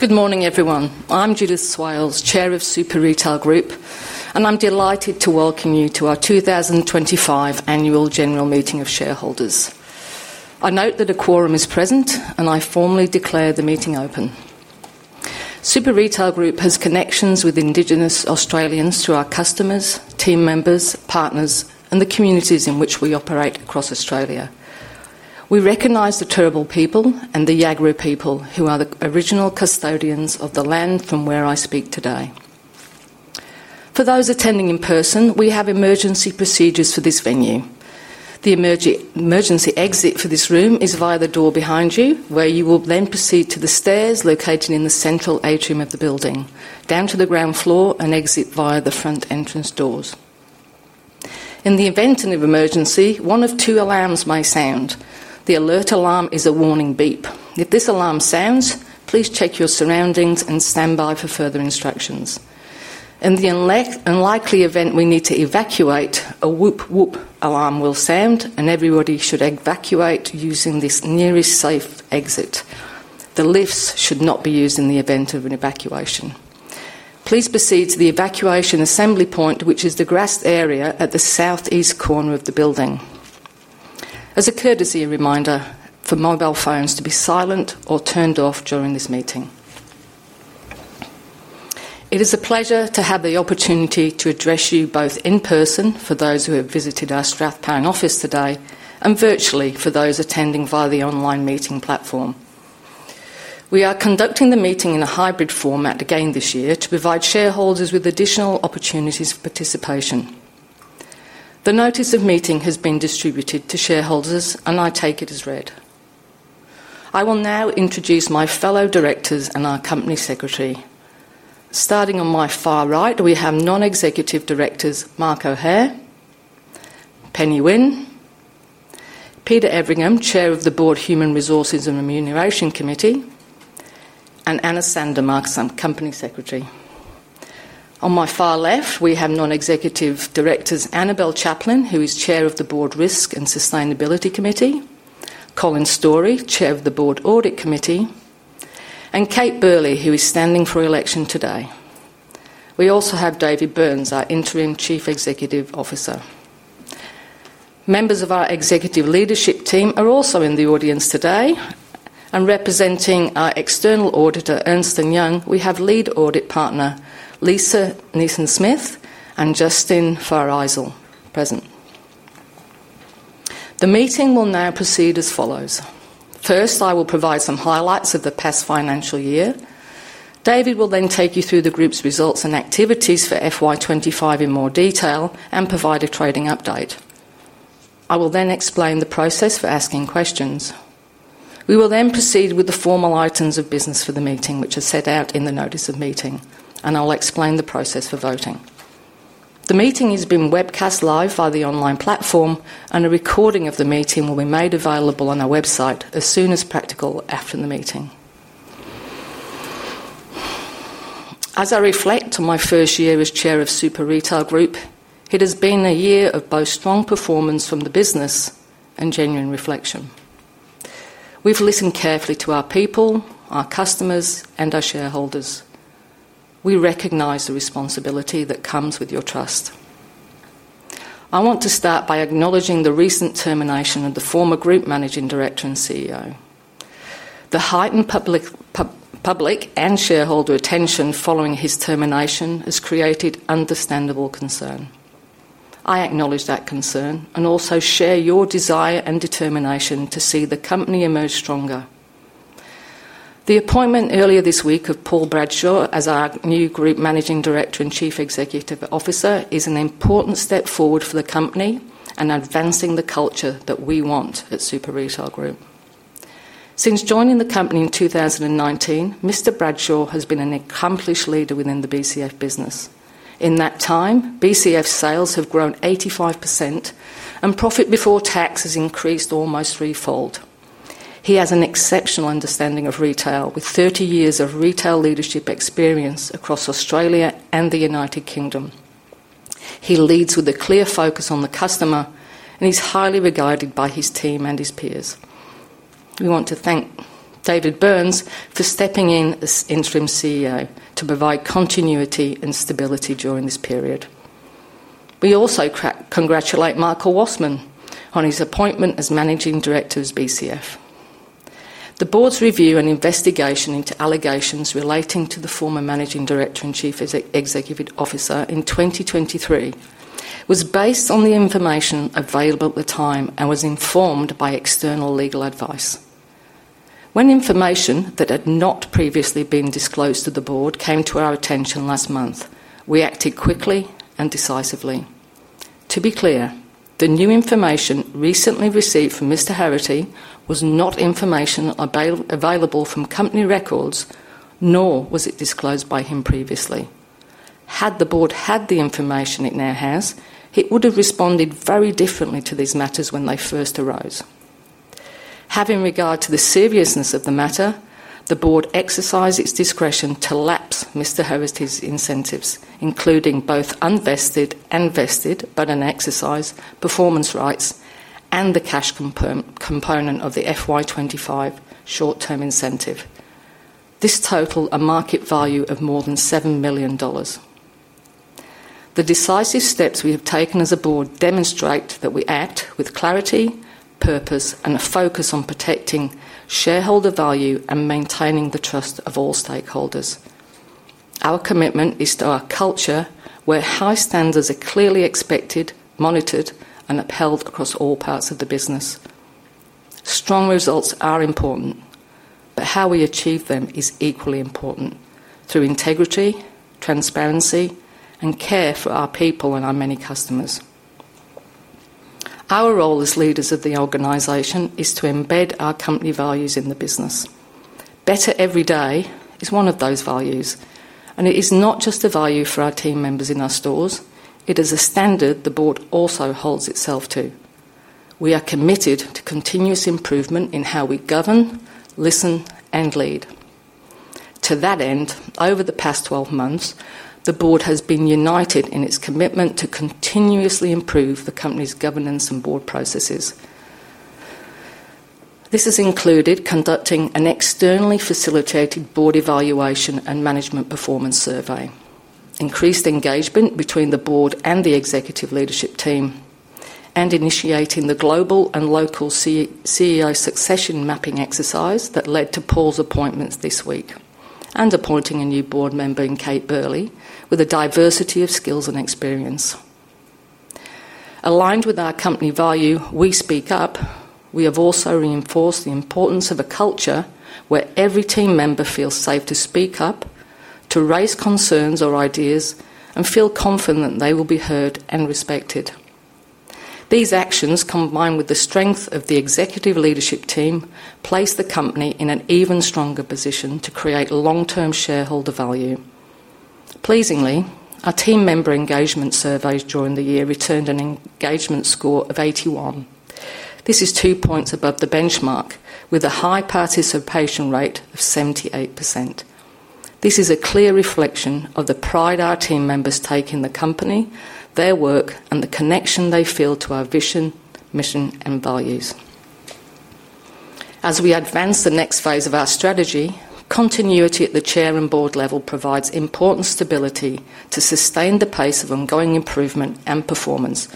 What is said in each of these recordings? Good morning, everyone. I'm Judith Swales, Chair of Super Retail Group, and I'm delighted to welcome you to our 2025 Annual General Meeting of shareholders. I note that a quorum is present, and I formally declare the meeting open. Super Retail Group has connections with Indigenous Australians through our customers, team members, partners, and the communities in which we operate across Australia. We recognize the Turrbal people and the Yuggera people, who are the original custodians of the land from where I speak today. For those attending in person, we have emergency procedures for this venue. The emergency exit for this room is via the door behind you, where you will then proceed to the stairs located in the central atrium of the building, down to the ground floor, and exit via the front entrance doors. In the event of an emergency, one of two alarms may sound. The alert alarm is a warning beep. If this alarm sounds, please check your surroundings and stand by for further instructions. In the unlikely event we need to evacuate, a whoop-whoop alarm will sound, and everybody should evacuate using this nearest safe exit. The lifts should not be used in the event of an evacuation. Please proceed to the evacuation assembly point, which is the grassed area at the southeast corner of the building. As a courtesy, reminder for mobile phones to be silent or turned off during this meeting. It is a pleasure to have the opportunity to address you both in person for those who have visited our Strathpine office today and virtually for those attending via the online meeting platform. We are conducting the meeting in a hybrid format again this year to provide shareholders with additional opportunities for participation. The notice of meeting has been distributed to shareholders, and I take it as read. I will now introduce my fellow directors and our Company Secretary. Starting on my far right, we have non-executive directors Mark O'Hare, Penelope Winn, Peter Everingham, Chair of the Board Human Resources and Remuneration Committee, and Anna Sandham, Company Secretary. On my far left, we have non-executive directors Annabel Chaplin, who is Chair of the Board Risk and Sustainability Committee, Colin Storrie, Chair of the Board Audit Committee, and Kate Burley, who is standing for election today. We also have David Burns, our Interim Chief Executive Officer. Members of our executive leadership team are also in the audience today, and representing our external auditor, Ernst & Young, we have Lead Audit Partner Lisa Nijssen-Smith and Justin Feiereisel present. The meeting will now proceed as follows. First, I will provide some highlights of the past financial year. David will then take you through the group's results and activities for FY 2025 in more detail and provide a trading update. I will then explain the process for asking questions. We will then proceed with the formal items of business for the meeting, which are set out in the notice of meeting, and I'll explain the process for voting. The meeting has been webcast live via the online platform, and a recording of the meeting will be made available on our website as soon as practical after the meeting. As I reflect on my first year as Chair of Super Retail Group, it has been a year of both strong performance from the business and genuine reflection. We've listened carefully to our people, our customers, and our shareholders. We recognize the responsibility that comes with your trust. I want to start by acknowledging the recent termination of the former Group Managing Director and CEO. The heightened public and shareholder attention following his termination has created understandable concern. I acknowledge that concern and also share your desire and determination to see the company emerge stronger. The appointment earlier this week of Paul Bradshaw as our new Group Managing Director and Chief Executive Officer is an important step forward for the company and advancing the culture that we want at Super Retail Group. Since joining the company in 2019, Mr. Bradshaw has been an accomplished leader within the BCF business. In that time, BCF sales have grown 85%, and profit before tax has increased almost threefold. He has an exceptional understanding of retail, with 30 years of retail leadership experience across Australia and the United Kingdom. He leads with a clear focus on the customer, and he's highly regarded by his team and his peers. We want to thank David Burns for stepping in as Interim CEO to provide continuity and stability during this period. We also congratulate Michael Wassman on his appointment as Managing Director of BCF. The Board's review and investigation into allegations relating to the former Managing Director and Chief Executive Officer in 2023 was based on the information available at the time and was informed by external legal advice. When information that had not previously been disclosed to the Board came to our attention last month, we acted quickly and decisively. To be clear, the new information recently received from Mr. Heraghty was not information available from company records, nor was it disclosed by him previously. Had the Board had the information it now has, it would have responded very differently to these matters when they first arose. Having regard to the seriousness of the matter, the Board exercised its discretion to lapse Mr. Heraghty's incentives, including both unvested and vested, but in exercise, performance rights and the cash component of the FY 2025 short-term incentive. This totals a market value of more than 7 million dollars. The decisive steps we have taken as a Board demonstrate that we act with clarity, purpose, and a focus on protecting shareholder value and maintaining the trust of all stakeholders. Our commitment is to our culture, where high standards are clearly expected, monitored, and upheld across all parts of the business. Strong results are important, but how we achieve them is equally important through integrity, transparency, and care for our people and our many customers. Our role as leaders of the organization is to embed our company values in the business. Better every day is one of those values, and it is not just a value for our team members in our stores, it is a standard the Board also holds itself to. We are committed to continuous improvement in how we govern, listen, and lead. To that end, over the past 12 months, the Board has been united in its commitment to continuously improve the company's governance and board processes. This has included conducting an externally facilitated board evaluation and management performance survey, increased engagement between the Board and the executive leadership team, and initiating the global and local CEO succession mapping exercise that led to Paul's appointments this week, and appointing a new board member in Kate Burley with a diversity of skills and experience. Aligned with our company value, we speak up. We have also reinforced the importance of a culture where every team member feels safe to speak up, to raise concerns or ideas, and feel confident they will be heard and respected. These actions, combined with the strength of the executive leadership team, place the company in an even stronger position to create long-term shareholder value. Pleasingly, our team member engagement surveys during the year returned an engagement score of 81. This is two points above the benchmark, with a high participation rate of 78%. This is a clear reflection of the pride our team members take in the company, their work, and the connection they feel to our vision, mission, and values. As we advance the next phase of our strategy, continuity at the Chair and Board level provides important stability to sustain the pace of ongoing improvement and performance,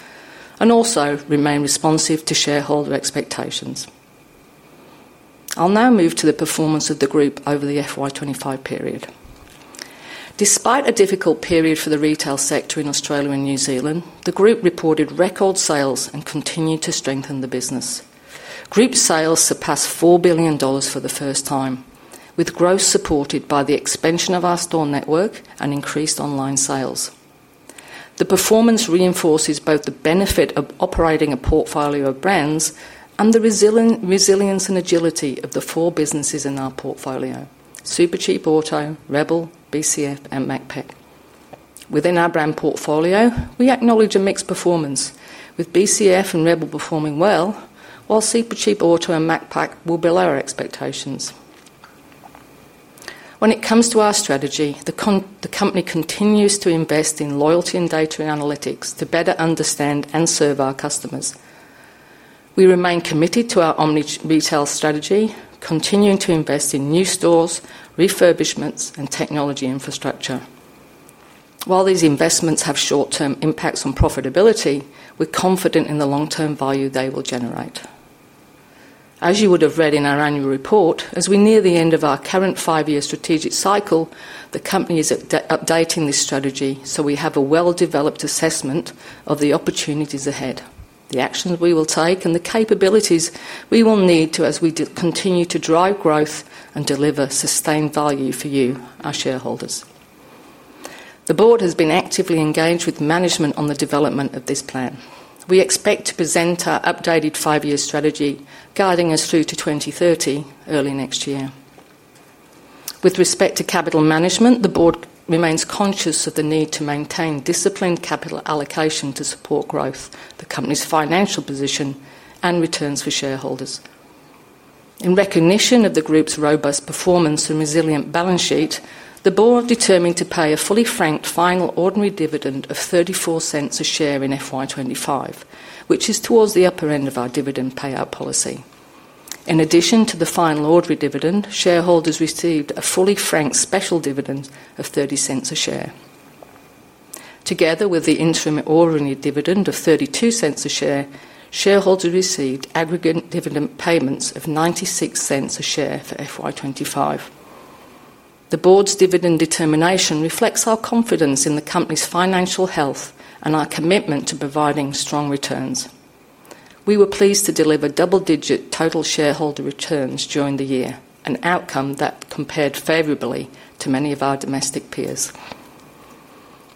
and also remain responsive to shareholder expectations. I'll now move to the performance of the group over the FY 2025 period. Despite a difficult period for the retail sector in Australia and New Zealand, the group reported record sales and continued to strengthen the business. Group sales surpassed 4 billion dollars for the first time, with growth supported by the expansion of our store network and increased online sales. The performance reinforces both the benefit of operating a portfolio of brands and the resilience and agility of the four businesses in our portfolio: Supercheap Auto, Rebel, BCF, and Macpac. Within our brand portfolio, we acknowledge a mixed performance, with BCF and Rebel performing well, while Supercheap Auto and Macpac were below our expectations. When it comes to our strategy, the company continues to invest in loyalty and data analytics to better understand and serve our customers. We remain committed to our omni-retail strategy, continuing to invest in new stores, refurbishments, and technology infrastructure. While these investments have short-term impacts on profitability, we're confident in the long-term value they will generate. As you would have read in our annual report, as we near the end of our current five-year strategic cycle, the company is updating this strategy so we have a well-developed assessment of the opportunities ahead, the actions we will take, and the capabilities we will need to, as we continue to drive growth and deliver sustained value for you, our shareholders. The Board has been actively engaged with management on the development of this plan. We expect to present our updated five-year strategy, guiding us through to 2030 early next year. With respect to capital management, the Board remains conscious of the need to maintain disciplined capital allocation to support growth, the company's financial position, and returns for shareholders. In recognition of the group's robust performance and resilient balance sheet, the Board is determined to pay a fully franked final ordinary dividend of 0.34 a share in FY 2025, which is towards the upper end of our dividend payout policy. In addition to the final ordinary dividend, shareholders received a fully franked special dividend of 0.30 a share. Together with the interim ordinary dividend of 0.32 a share, shareholders received aggregate dividend payments of 0.96 a share for FY 2025. The Board's dividend determination reflects our confidence in the company's financial health and our commitment to providing strong returns. We were pleased to deliver double-digit total shareholder returns during the year, an outcome that compared favorably to many of our domestic peers.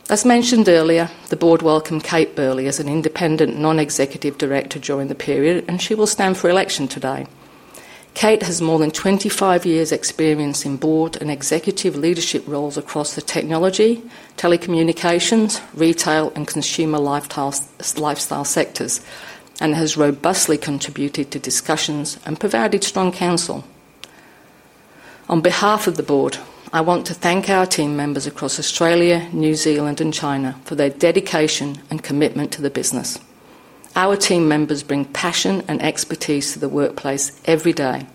As mentioned earlier, the Board welcomed Kate Burley as an Independent Non-Executive Director during the period, and she will stand for election today. Kate has more than 25 years' experience in board and executive leadership roles across the technology, telecommunications, retail, and consumer lifestyle sectors, and has robustly contributed to discussions and provided strong counsel. On behalf of the Board, I want to thank our team members across Australia, New Zealand, and China for their dedication and commitment to the business. Our team members bring passion and expertise to the workplace every day,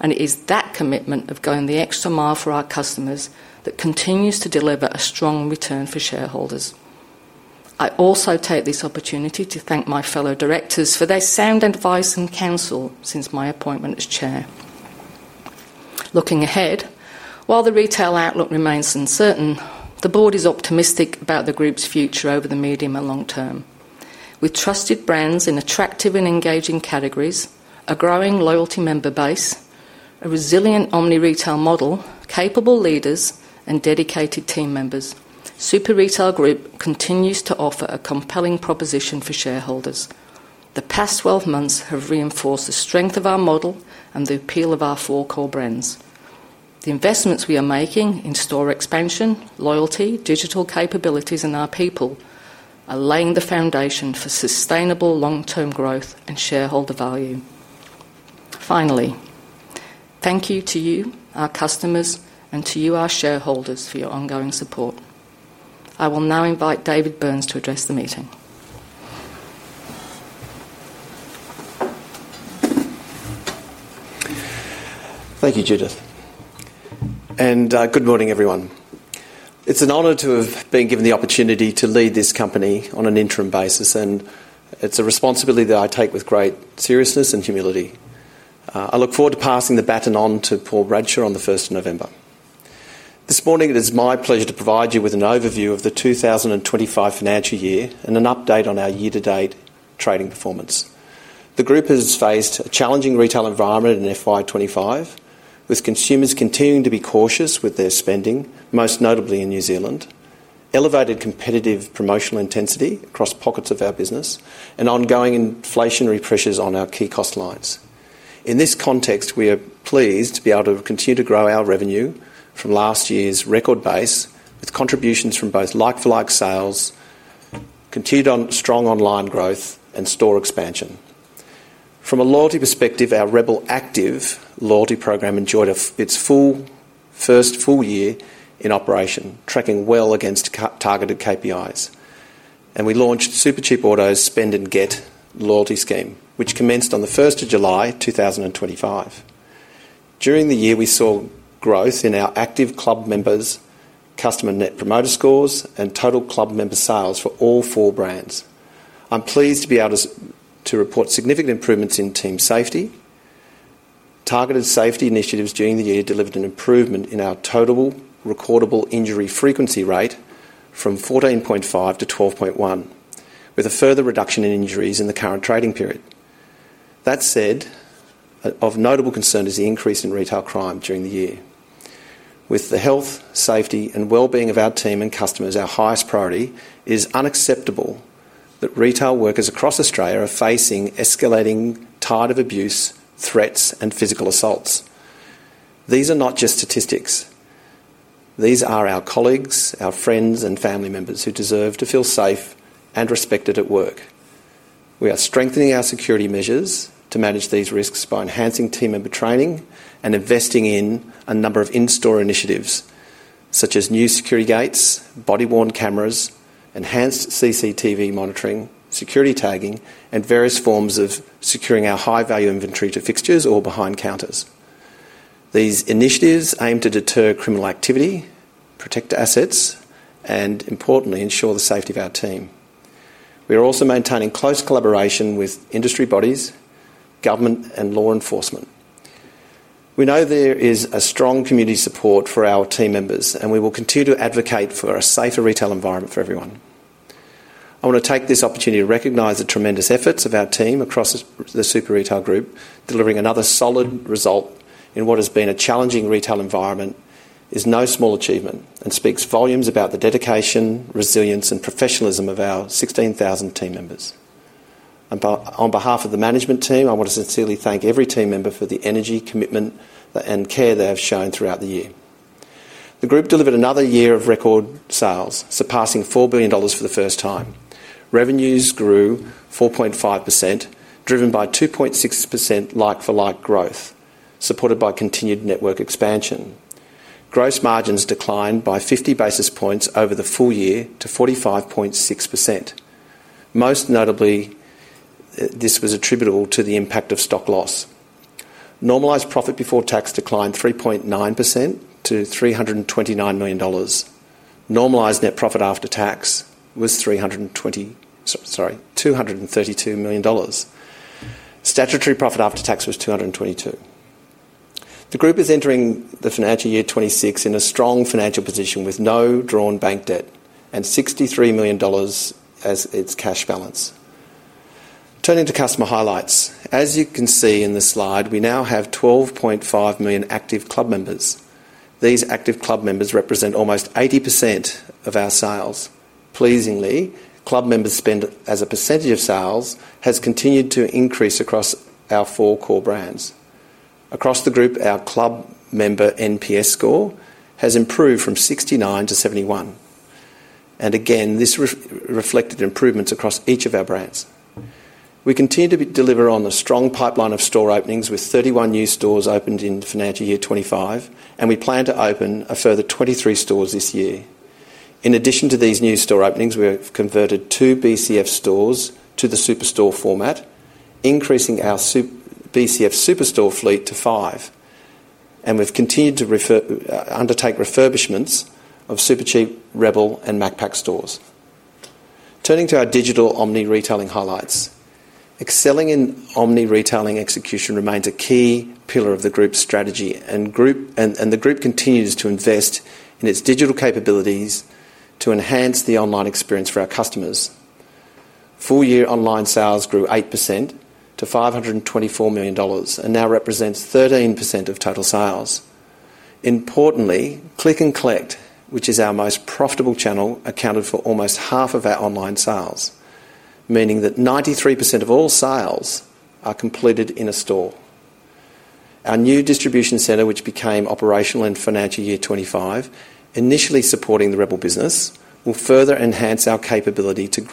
and it is that commitment of going the extra mile for our customers that continues to deliver a strong return for shareholders. I also take this opportunity to thank my fellow directors for their sound advice and counsel since my appointment as Chair. Looking ahead, while the retail outlook remains uncertain, the Board is optimistic about the group's future over the medium and long term. With trusted brands in attractive and engaging categories, a growing loyalty member base, a resilient omni-retail model, capable leaders, and dedicated team members, Super Retail Group continues to offer a compelling proposition for shareholders. The past 12 months have reinforced the strength of our model and the appeal of our four core brands. The investments we are making in store expansion, loyalty, digital capabilities, and our people are laying the foundation for sustainable long-term growth and shareholder value. Finally, thank you to you, our customers, and to you, our shareholders, for your ongoing support. I will now invite David Burns to address the meeting. Thank you, Judith, and good morning, everyone. It's an honor to have been given the opportunity to lead this company on an interim basis, and it's a responsibility that I take with great seriousness and humility. I look forward to passing the baton on to Paul Bradshaw on the 1st of November. This morning, it is my pleasure to provide you with an overview of the 2025 financial year and an update on our year-to-date trading performance. The group has faced a challenging retail environment in FY 2025, with consumers continuing to be cautious with their spending, most notably in New Zealand, elevated competitive promotional intensity across pockets of our business, and ongoing inflationary pressures on our key cost lines. In this context, we are pleased to be able to continue to grow our revenue from last year's record base, with contributions from both like-for-like sales, continued strong online growth, and store expansion. From a loyalty perspective, our Rebel Active loyalty program enjoyed its first full year in operation, tracking well against targeted KPIs, and we launched Supercheap Auto's Spend and Get loyalty scheme, which commenced on the 1st of July, 2025. During the year, we saw growth in our active club members, customer net promoter scores, and total club member sales for all four brands. I'm pleased to be able to report significant improvements in team safety. Targeted safety initiatives during the year delivered an improvement in our total recordable injury frequency rate from 14.5-12.1, with a further reduction in injuries in the current trading period. That said, of notable concern is the increase in retail crime during the year. With the health, safety, and well-being of our team and customers our highest priority, it is unacceptable that retail workers across Australia are facing escalating tide of abuse, threats, and physical assaults. These are not just statistics; these are our colleagues, our friends, and family members who deserve to feel safe and respected at work. We are strengthening our security measures to manage these risks by enhancing team member training and investing in a number of in-store initiatives, such as new security gates, body-worn cameras, enhanced CCTV monitoring, security tagging, and various forms of securing our high-value inventory to fixtures or behind counters. These initiatives aim to deter criminal activity, protect assets, and, importantly, ensure the safety of our team. We are also maintaining close collaboration with industry bodies, government, and law enforcement. We know there is a strong community support for our team members, and we will continue to advocate for a safer retail environment for everyone. I want to take this opportunity to recognize the tremendous efforts of our team across the Super Retail Group, delivering another solid result in what has been a challenging retail environment. It is no small achievement and speaks volumes about the dedication, resilience, and professionalism of our 16,000 team members. On behalf of the management team, I want to sincerely thank every team member for the energy, commitment, and care they have shown throughout the year. The group delivered another year of record sales, surpassing 4 billion dollars for the first time. Revenues grew 4.5%, driven by 2.6% like-for-like growth, supported by continued network expansion. Gross margins declined by 50 basis points over the full year to 45.6%. Most notably, this was attributable to the impact of stock loss. Normalized profit before tax declined 3.9% to 329 million dollars. Normalized net profit after tax was 232 million dollars. Statutory profit after tax was 222 million. The group is entering the financial year 2026 in a strong financial position, with no drawn bank debt and 63 million dollars as its cash balance. Turning to customer highlights, as you can see in this slide, we now have 12.5 million active club members. These active club members represent almost 80% of our sales. Pleasingly, club members' spend as a percentage of sales has continued to increase across our four core brands. Across the group, our club member NPS score has improved from 69-71, and again, this reflected improvements across each of our brands. We continue to deliver on the strong pipeline of store openings, with 31 new stores opened in financial year 2025, and we plan to open a further 23 stores this year. In addition to these new store openings, we have converted two BCF stores to the superstore format, increasing our BCF superstore fleet to five, and we've continued to undertake refurbishments of Supercheap Auto, Rebel, and Macpac stores. Turning to our digital omni-retailing highlights, excelling in omni-retailing execution remains a key pillar of the group's strategy, and the group continues to invest in its digital capabilities to enhance the online experience for our customers. Full-year online sales grew 8% to 524 million dollars and now represents 13% of total sales. Importantly, Click & Collect, which is our most profitable channel, accounted for almost half of our online sales, meaning that 93% of all sales are completed in a store. Our new distribution centre, which became operational in financial year 2025, initially supporting the Rebel business, will further enhance our capability to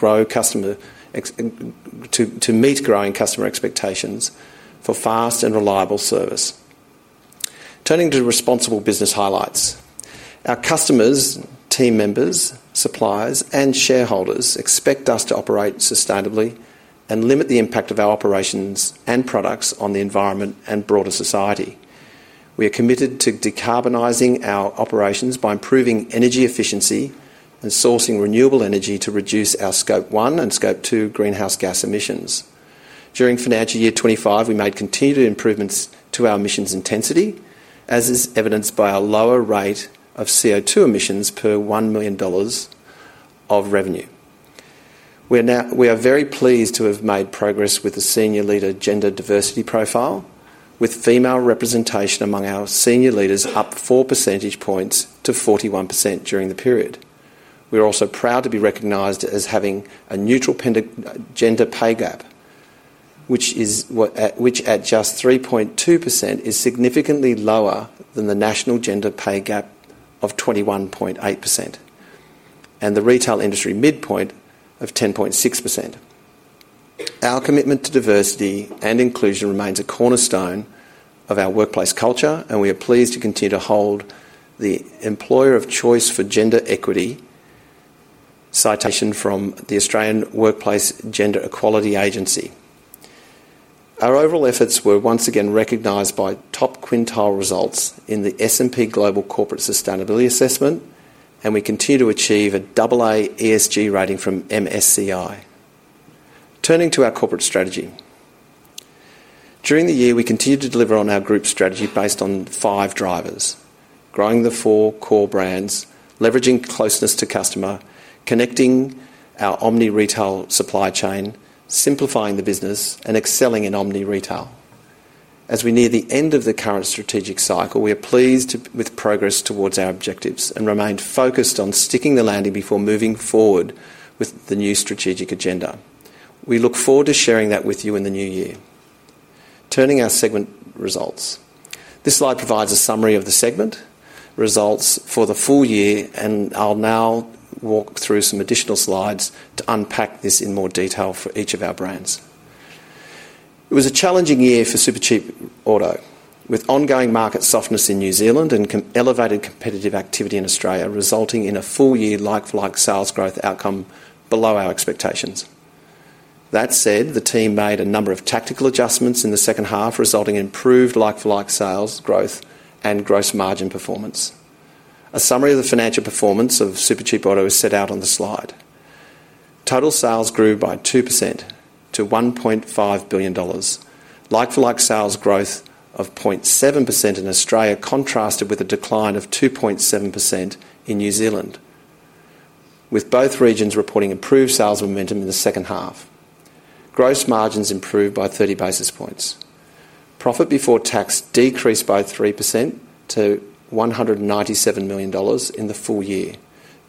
meet growing customer expectations for fast and reliable service. Turning to responsible business highlights, our customers, team members, suppliers, and shareholders expect us to operate sustainably and limit the impact of our operations and products on the environment and broader society. We are committed to decarbonising our operations by improving energy efficiency and sourcing renewable energy to reduce our Scope 1 and Scope 2 greenhouse gas emissions. During financial year 2025, we made continued improvements to our emissions intensity, as is evidenced by a lower rate of CO2 emissions per 1 million dollars of revenue. We are very pleased to have made progress with the senior leader gender diversity profile, with female representation among our senior leaders up 4 percentage points to 41% during the period. We are also proud to be recognised as having a neutral gender pay gap, which at just 3.2% is significantly lower than the national gender pay gap of 21.8% and the retail industry midpoint of 10.6%. Our commitment to diversity and inclusion remains a cornerstone of our workplace culture, and we are pleased to continue to hold the Employer of Choice for Gender Equity citation from the Australian Workplace Gender Equality Agency. Our overall efforts were once again recognised by top-quintile results in the S&P Global Corporate Sustainability Assessment, and we continue to achieve a AA ESG rating from MSCI. Turning to our corporate strategy, during the year, we continue to deliver on our group's strategy based on five drivers: growing the four core brands, leveraging closeness to customer, connecting our omni-retail supply chain, simplifying the business, and excelling in omni-retail. As we near the end of the current strategic cycle, we are pleased with progress towards our objectives and remain focused on sticking the landing before moving forward with the new strategic agenda. We look forward to sharing that with you in the new year. Turning to our segment results, this slide provides a summary of the segment results for the full year, and I'll now walk through some additional slides to unpack this in more detail for each of our brands. It was a challenging year for Supercheap Auto, with ongoing market softness in New Zealand and elevated competitive activity in Australia, resulting in a full-year like-for-like sales growth outcome below our expectations. That said, the team made a number of tactical adjustments in the second half, resulting in improved like-for-like sales growth and gross margin performance. A summary of the financial performance of Supercheap Auto is set out on the slide. Total sales grew by 2% to 1.5 billion dollars. Like-for-like sales growth of 0.7% in Australia contrasted with a decline of 2.7% in New Zealand, with both regions reporting improved sales momentum in the second half. Gross margins improved by 30 basis points. Profit before tax decreased by 3% to 197 million dollars in the full year,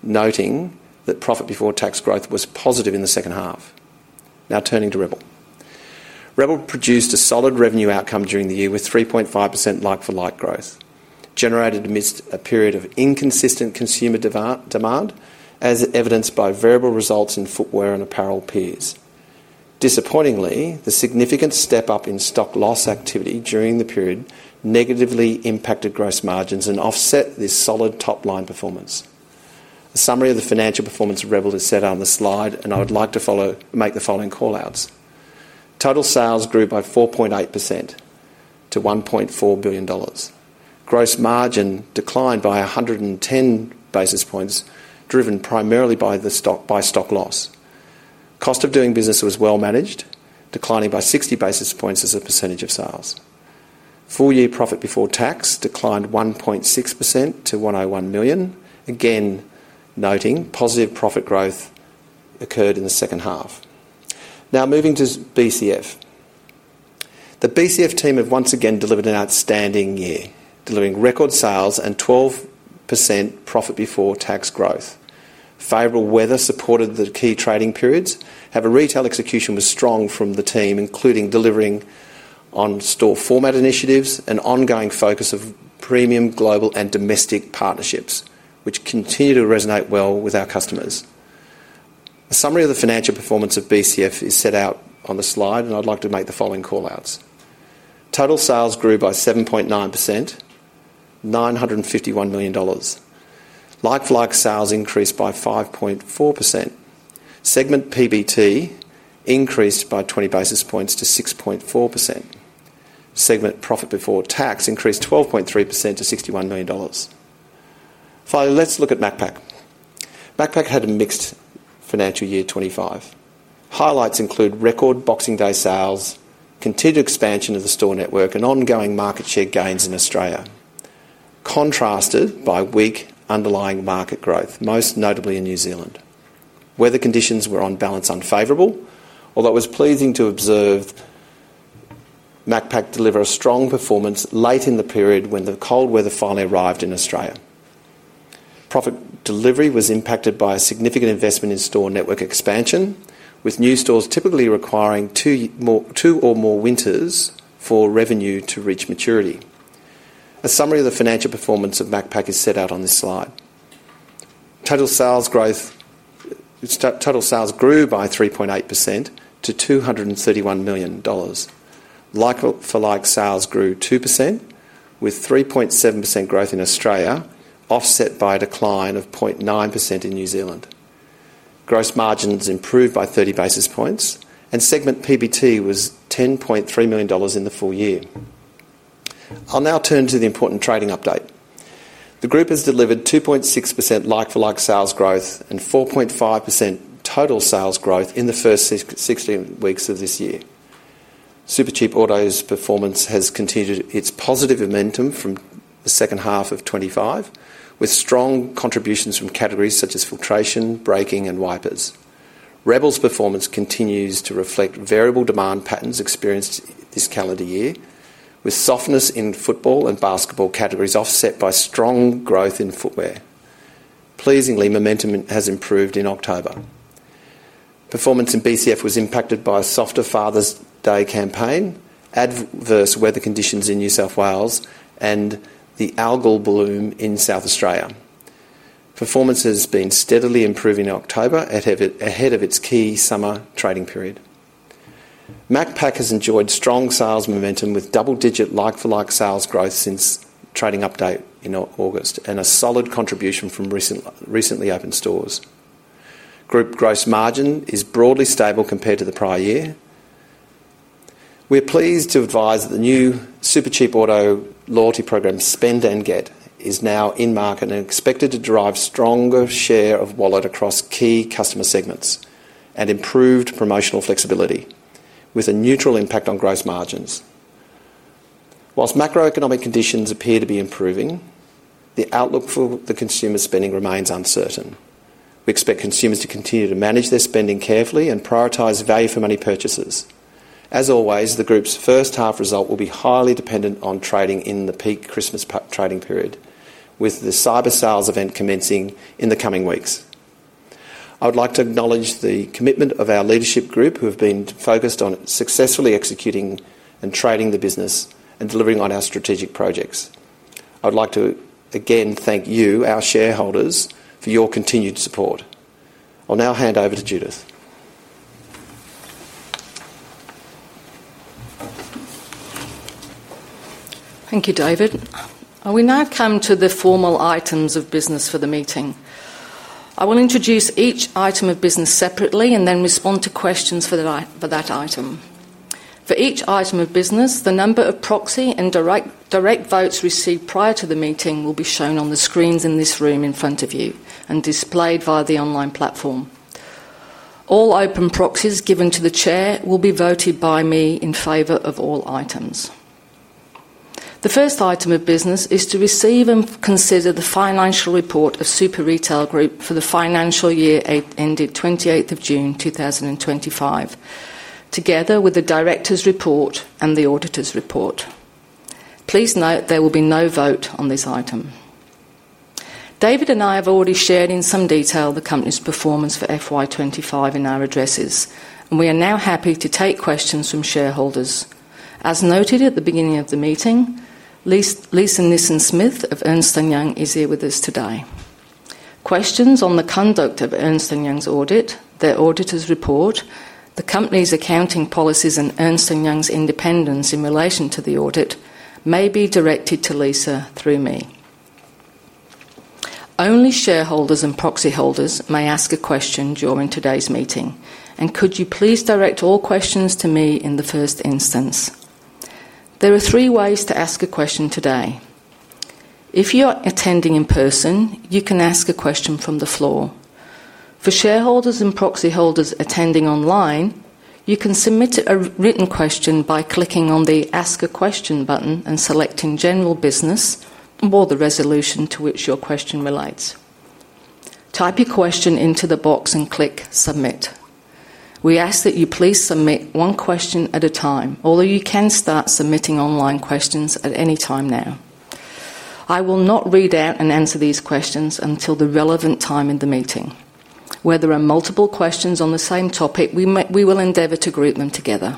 noting that profit before tax growth was positive in the second half. Now turning to Rebel, Rebel produced a solid revenue outcome during the year, with 3.5% like-for-like growth generated amidst a period of inconsistent consumer demand, as evidenced by variable results in footwear and apparel peers. Disappointingly, the significant step up in stock loss activity during the period negatively impacted gross margins and offset this solid top-line performance. A summary of the financial performance of Rebel is set out on the slide, and I would like to make the following call-outs. Total sales grew by 4.8% to 1.4 billion dollars. Gross margin declined by 110 basis points, driven primarily by stock loss. Cost of doing business was well managed, declining by 60 basis points as a percentage of sales. Full-year profit before tax declined 1.6% to 101 million, again noting positive profit growth occurred in the second half. Now moving to BCF, the BCF team have once again delivered an outstanding year, delivering record sales and 12% profit before tax growth. Favorable weather supported the key trading periods, and retail execution was strong from the team, including delivering on store format initiatives and ongoing focus of premium global and domestic partnerships, which continue to resonate well with our customers. A summary of the financial performance of BCF is set out on the slide, and I'd like to make the following call-outs. Total sales grew by 7.9% to 951 million dollars. Like-for-like sales increased by 5.4%. Segment PBT increased by 20 basis points to 6.4%. Segment profit before tax increased 12.3% to 61 million dollars. Finally, let's look at Macpac. Macpac had a mixed financial year 2025. Highlights include record Boxing Day sales, continued expansion of the store network, and ongoing market share gains in Australia, contrasted by weak underlying market growth, most notably in New Zealand. Weather conditions were on balance unfavorable, although it was pleasing to observe Macpac deliver a strong performance late in the period when the cold weather finally arrived in Australia. Profit delivery was impacted by a significant investment in store network expansion, with new stores typically requiring two or more winters for revenue to reach maturity. A summary of the financial performance of Macpac is set out on this slide. Total sales grew by 3.8% to 231 million dollars. Like-for-like sales grew 2%, with 3.7% growth in Australia, offset by a decline of 0.9% in New Zealand. Gross margins improved by 30 basis points, and segment PBT was 10.3 million dollars in the full year. I'll now turn to the important trading update. The group has delivered 2.6% like-for-like sales growth and 4.5% total sales growth in the first 16 weeks of this year. Supercheap Auto's performance has continued its positive momentum from the second half of 2025, with strong contributions from categories such as filtration, braking, and wipers. Rebel's performance continues to reflect variable demand patterns experienced this calendar year, with softness in football and basketball categories offset by strong growth in footwear. Pleasingly, momentum has improved in October. Performance in BCF was impacted by a softer Father's Day campaign, adverse weather conditions in New South Wales, and the algal bloom in South Australia. Performance has been steadily improving in October ahead of its key summer trading period. Macpac has enjoyed strong sales momentum, with double-digit like-for-like sales growth since trading update in August and a solid contribution from recently opened stores. Group gross margin is broadly stable compared to the prior year. We are pleased to advise that the new Supercheap Auto loyalty program, Spend and Get, is now in market and expected to drive a stronger share of wallet across key customer segments and improved promotional flexibility, with a neutral impact on gross margins. Whilst macroeconomic conditions appear to be improving, the outlook for consumer spending remains uncertain. We expect consumers to continue to manage their spending carefully and prioritize value-for-money purchases. As always, the group's first half result will be highly dependent on trading in the peak Christmas trading period, with the cyber sales event commencing in the coming weeks. I would like to acknowledge the commitment of our leadership group, who have been focused on successfully executing and trading the business and delivering on our strategic projects. I would like to again thank you, our shareholders, for your continued support. I'll now hand over to Judith. Thank you, David. I will now come to the formal items of business for the meeting. I will introduce each item of business separately and then respond to questions for that item. For each item of business, the number of proxy and direct votes received prior to the meeting will be shown on the screens in this room in front of you and displayed via the online platform. All open proxies given to the Chair will be voted by me in favor of all items. The first item of business is to receive and consider the financial report of Super Retail Group for the financial year ended 28th of June, 2025, together with the directors' report and the auditor's report. Please note there will be no vote on this item. David and I have already shared in some detail the company's performance for FY 2025 in our addresses, and we are now happy to take questions from shareholders. As noted at the beginning of the meeting, Lisa Nissen-Smith of Ernst & Young is here with us today. Questions on the conduct of Ernst & Young's audit, their auditor's report, the company's accounting policies, and Ernst & Young's independence in relation to the audit may be directed to Lisa through me. Only shareholders and proxy holders may ask a question during today's meeting, and could you please direct all questions to me in the first instance? There are three ways to ask a question today. If you are attending in person, you can ask a question from the floor. For shareholders and proxy holders attending online, you can submit a written question by clicking on the Ask a Question button and selecting General Business or the resolution to which your question relates. Type your question into the box and click Submit. We ask that you please submit one question at a time, although you can start submitting online questions at any time now. I will not read out and answer these questions until the relevant time in the meeting. Where there are multiple questions on the same topic, we will endeavor to group them together.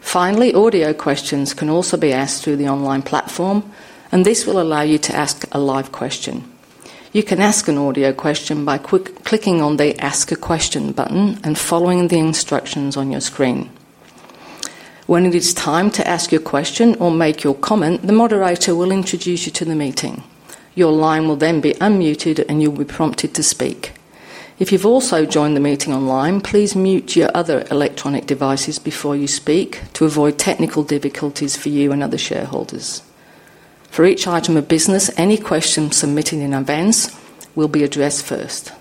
Finally, audio questions can also be asked through the online platform, and this will allow you to ask a live question. You can ask an audio question by clicking on the Ask a Question button and following the instructions on your screen. When it is time to ask your question or make your comment, the moderator will introduce you to the meeting. Your line will then be unmuted, and you'll be prompted to speak. If you've also joined the meeting online, please mute your other electronic devices before you speak to avoid technical difficulties for you and other shareholders. For each item of business, any questions submitted in advance will be addressed first.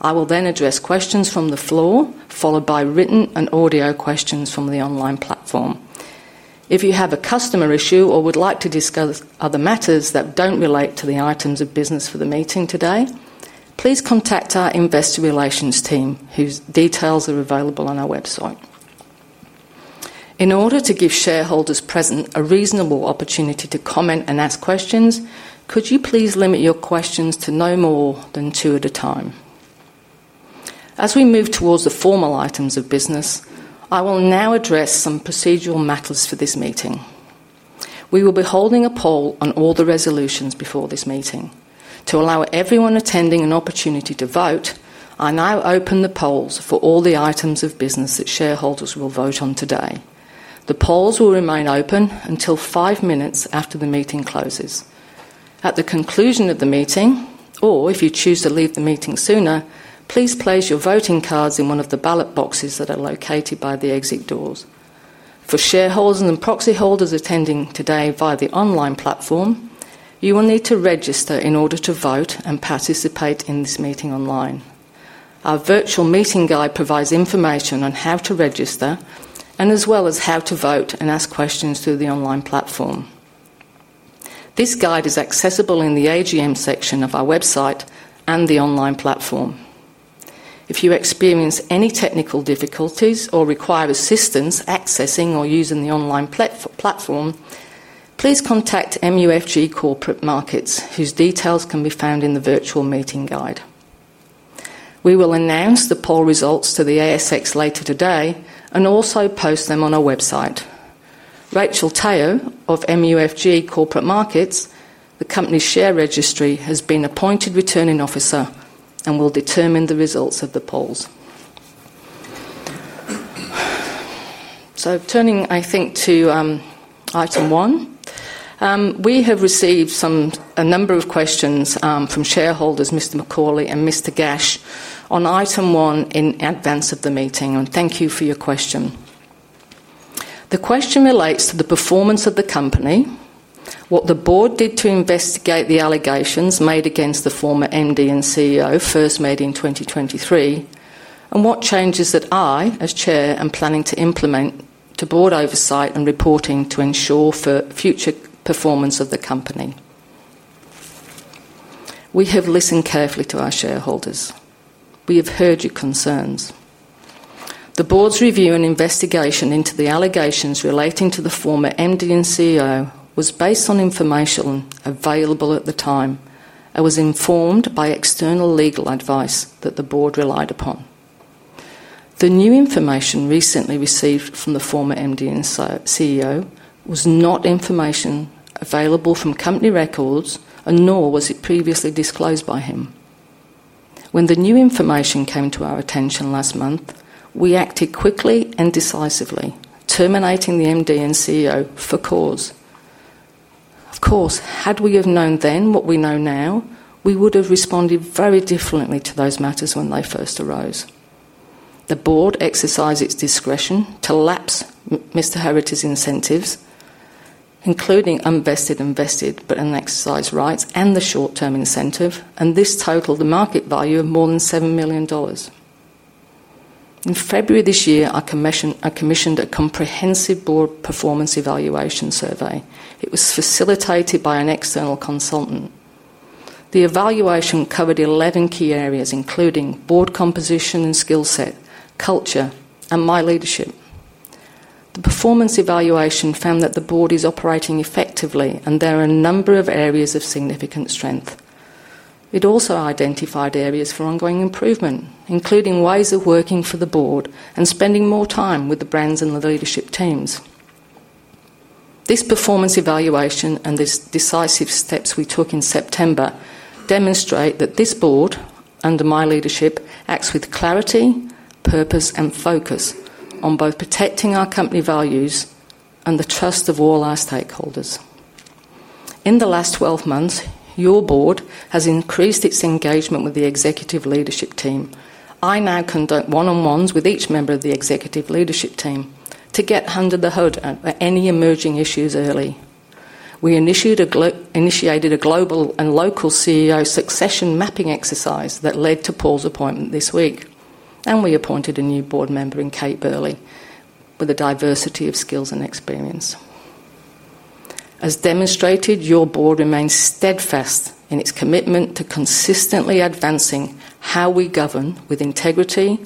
I will then address questions from the floor, followed by written and audio questions from the online platform. If you have a customer issue or would like to discuss other matters that don't relate to the items of business for the meeting today, please contact our Investor Relations team, whose details are available on our website. In order to give shareholders present a reasonable opportunity to comment and ask questions, could you please limit your questions to no more than two at a time? As we move towards the formal items of business, I will now address some procedural matters for this meeting. We will be holding a poll on all the resolutions before this meeting. To allow everyone attending an opportunity to vote, I now open the polls for all the items of business that shareholders will vote on today. The polls will remain open until five minutes after the meeting closes. At the conclusion of the meeting, or if you choose to leave the meeting sooner, please place your voting cards in one of the ballot boxes that are located by the exit doors. For shareholders and proxy holders attending today via the online platform, you will need to register in order to vote and participate in this meeting online. Our virtual meeting guide provides information on how to register, as well as how to vote and ask questions through the online platform. This guide is accessible in the AGM section of our website and the online platform. If you experience any technical difficulties or require assistance accessing or using the online platform, please contact MUFG Corporate Markets, whose details can be found in the virtual meeting guide. We will announce the poll results to the ASX later today and also post them on our website. Rachel Teo of MUFG Corporate Markets, the company's share registry, has been appointed returning officer and will determine the results of the polls. Turning to item one, we have received a number of questions from shareholders, Mr. McCauley and Mr. Gash, on item one in advance of the meeting, and thank you for your question. The question relates to the performance of the company, what the board did to investigate the allegations made against the former MD and CEO, first made in 2023, and what changes that I, as Chair, am planning to implement to board oversight and reporting to ensure for future performance of the company. We have listened carefully to our shareholders. We have heard your concerns. The board's review and investigation into the allegations relating to the former MD and CEO was based on information available at the time and was informed by external legal advice that the board relied upon. The new information recently received from the former MD and CEO was not information available from company records, nor was it previously disclosed by him. When the new information came to our attention last month, we acted quickly and decisively, terminating the MD and CEO for cause. Of course, had we have known then what we know now, we would have responded very differently to those matters when they first arose. The board exercised its discretion to lapse Mr. Heraghty's incentives, including unvested and vested but unexercised rights, and the short-term incentive, and this totaled the market value of more than 7 million dollars. In February this year, I commissioned a comprehensive board performance evaluation survey. It was facilitated by an external consultant. The evaluation covered 11 key areas, including board composition and skill set, culture, and my leadership. The performance evaluation found that the board is operating effectively, and there are a number of areas of significant strength. It also identified areas for ongoing improvement, including ways of working for the board and spending more time with the brands and the leadership teams. This performance evaluation and the decisive steps we took in September demonstrate that this board, under my leadership, acts with clarity, purpose, and focus on both protecting our company values and the trust of all our stakeholders. In the last 12 months, your board has increased its engagement with the executive leadership team. I now conduct one-on-ones with each member of the executive leadership team to get under the hood of any emerging issues early. We initiated a global and local CEO succession mapping exercise that led to Paul's appointment this week, and we appointed a new board member in Kate Burley with a diversity of skills and experience. As demonstrated, your board remains steadfast in its commitment to consistently advancing how we govern with integrity,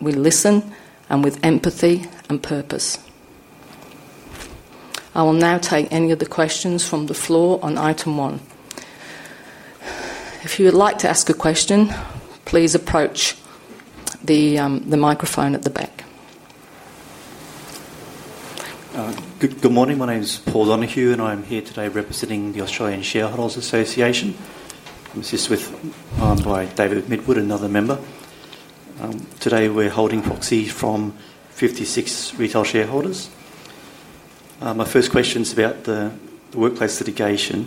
we listen, and with empathy and purpose. I will now take any of the questions from the floor on item one. If you would like to ask a question, please approach the microphone at the back. Good morning. My name is Paul Donahue, and I am here today representing the Australian Shareholders Association. I'm assisted by David Midwood, another member. Today, we're holding proxy from 56 retail shareholders. My first question is about the workplace litigation.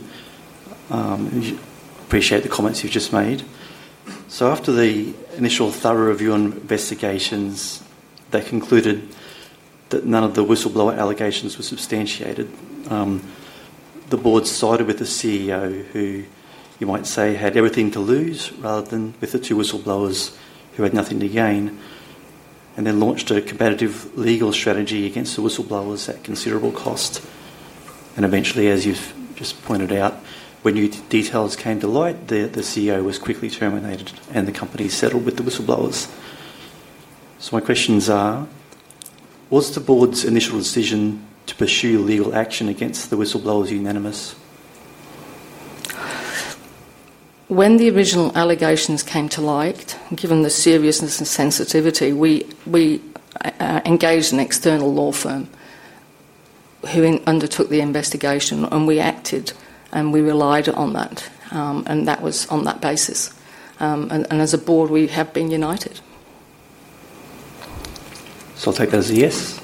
I appreciate the comments you've just made. After the initial thorough review and investigations, they concluded that none of the whistleblower allegations were substantiated. The board sided with the CEO, who you might say had everything to lose, rather than with the two whistleblowers who had nothing to gain, and then launched a combative legal strategy against the whistleblowers at considerable cost. Eventually, as you've just pointed out, when new details came to light, the CEO was quickly terminated, and the company settled with the whistleblowers. My questions are, was the board's initial decision to pursue legal action against the whistleblowers unanimous? When the original allegations came to light, given the seriousness and sensitivity, we engaged an external law firm who undertook the investigation. We acted, and we relied on that, and that was on that basis. As a board, we have been united. I'll take that as a yes.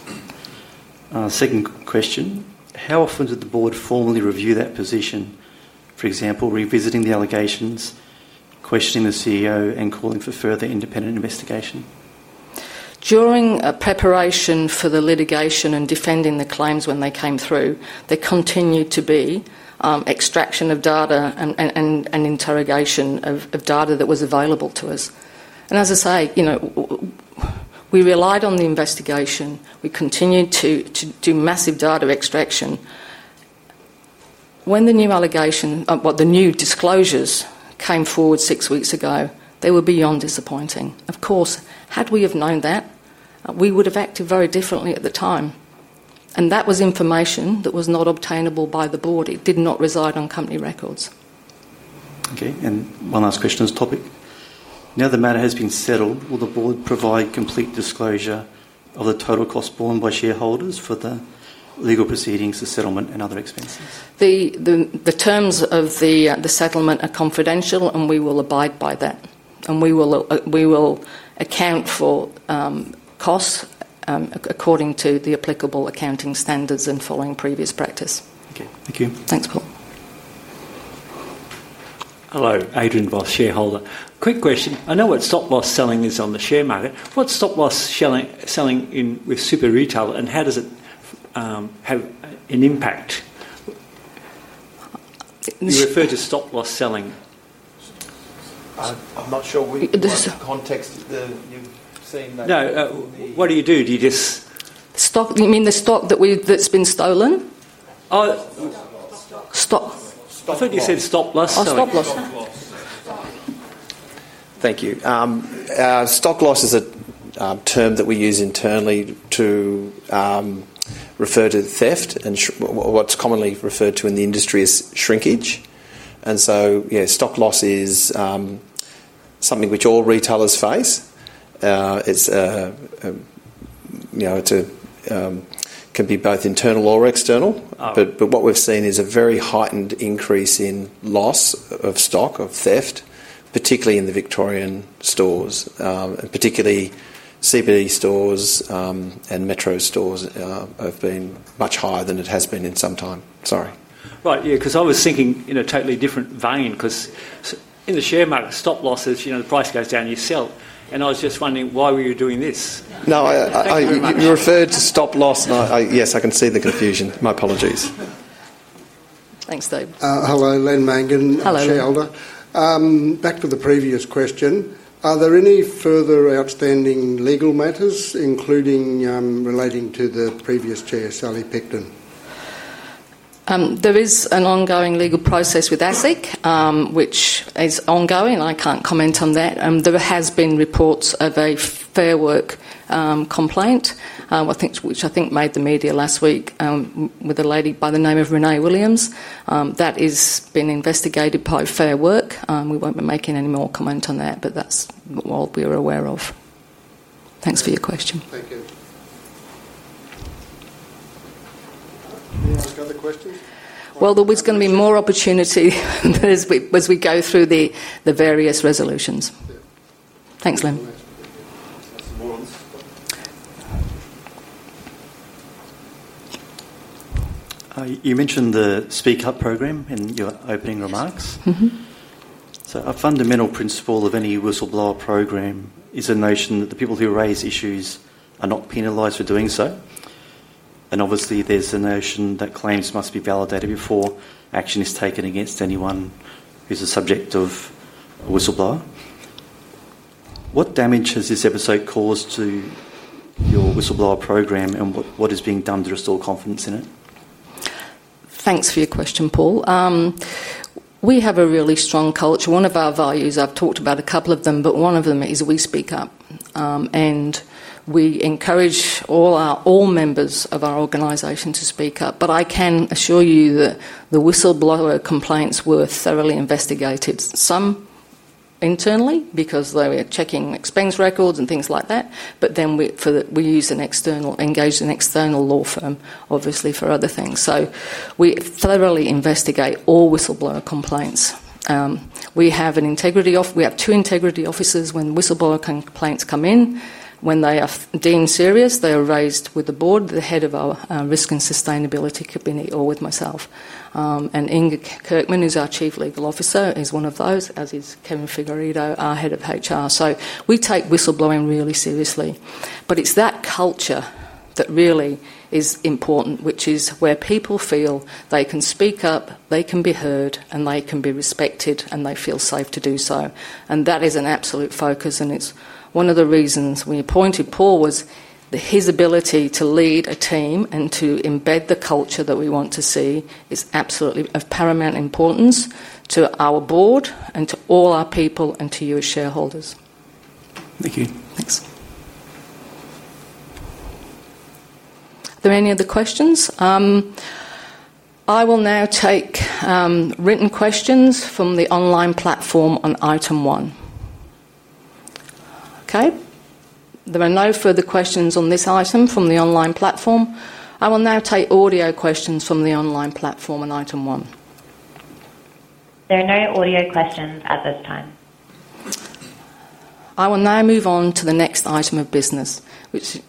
Second question, how often did the board formally review that position, for example, revisiting the allegations, questioning the CEO, and calling for further independent investigation? During preparation for the litigation and defending the claims when they came through, there continued to be extraction of data and interrogation of data that was available to us. As I say, you know, we relied on the investigation. We continued to do massive data extraction. When the new allegations, the new disclosures came forward six weeks ago, they were beyond disappointing. Of course, had we have known that, we would have acted very differently at the time. That was information that was not obtainable by the board. It did not reside on company records. Okay, and one last question on this topic. Now the matter has been settled. Will the board provide complete disclosure of the total cost borne by shareholders for the legal proceedings, the settlement, and other expenses? The terms of the settlement are confidential, and we will abide by that. We will account for costs according to the applicable accounting standards and following previous practice. Okay, thank you. Thanks, Paul. Hello, Adrian Voss, shareholder. Quick question. I know what stop-loss selling is on the share market. What's stop-loss selling with Super Retail, and how does it have an impact? You referred to stop-loss selling. I'm not sure what context you've seen that. No, what do you do? Do you just? I mean, the stock that's been stolen? Stop. I thought you said stock loss selling. Oh, stop-loss. Thank you. Our stock loss is a term that we use internally to refer to theft, and what's commonly referred to in the industry is shrinkage. Stock loss is something which all retailers face. It can be both internal or external, but what we've seen is a very heightened increase in loss of stock, of theft, particularly in the Victorian stores, and particularly CBD stores and Metro stores have been much higher than it has been in some time. Sorry. Right, yeah, because I was thinking in a totally different vein because in the share market, stop-loss is, you know, the price goes down, you sell. I was just wondering, why were you doing this? No, you referred to stock loss, and yes, I can see the confusion. My apologies. Thanks, David. Hello, Len Mangan, shareholder. Hello. Back to the previous question. Are there any further outstanding legal matters, including relating to the previous Chair, Sally Pitkin? There is an ongoing legal process with ASIC, which is ongoing. I can't comment on that. There have been reports of a Fair Work complaint, which I think made the media last week with a lady by the name of Renee Williams. That has been investigated by Fair Work. We won't be making any more comment on that, but that's what we are aware of. Thanks for your question. Thank you. Anyone else got the questions? There is going to be more opportunity as we go through the various resolutions. Thanks, Len. You mentioned the speak-up program in your opening remarks. Mm-hmm. A fundamental principle of any whistleblower program is the notion that the people who raise issues are not penalized for doing so. Obviously, there's a notion that claims must be validated before action is taken against anyone who's a subject of a whistleblower. What damage has this episode caused to your whistleblower program, and what is being done to restore confidence in it? Thanks for your question, Paul. We have a really strong culture. One of our values, I've talked about a couple of them, but one of them is we speak up, and we encourage all members of our organization to speak up. I can assure you that the whistleblower complaints were thoroughly investigated, some internally because they were checking expense records and things like that, then we engaged an external law firm, obviously, for other things. We thoroughly investigate all whistleblower complaints. We have an integrity office. We have two integrity officers when whistleblower complaints come in. When they are deemed serious, they are raised with the board, the head of our risk and sustainability company, or with myself. Inga Kirkman, who's our Chief Legal Officer, is one of those, as is Kevin Figueiredo, our Head of HR. We take whistleblowing really seriously. It's that culture that really is important, which is where people feel they can speak up, they can be heard, and they can be respected, and they feel safe to do so. That is an absolute focus, and it's one of the reasons we appointed Paul was that his ability to lead a team and to embed the culture that we want to see is absolutely of paramount importance to our board and to all our people and to your shareholders. Thank you. Are there any other questions? I will now take written questions from the online platform on item one. Okay, there are no further questions on this item from the online platform. I will now take audio questions from the online platform on item one. There are no audio questions at this time. I will now move on to the next item of business, which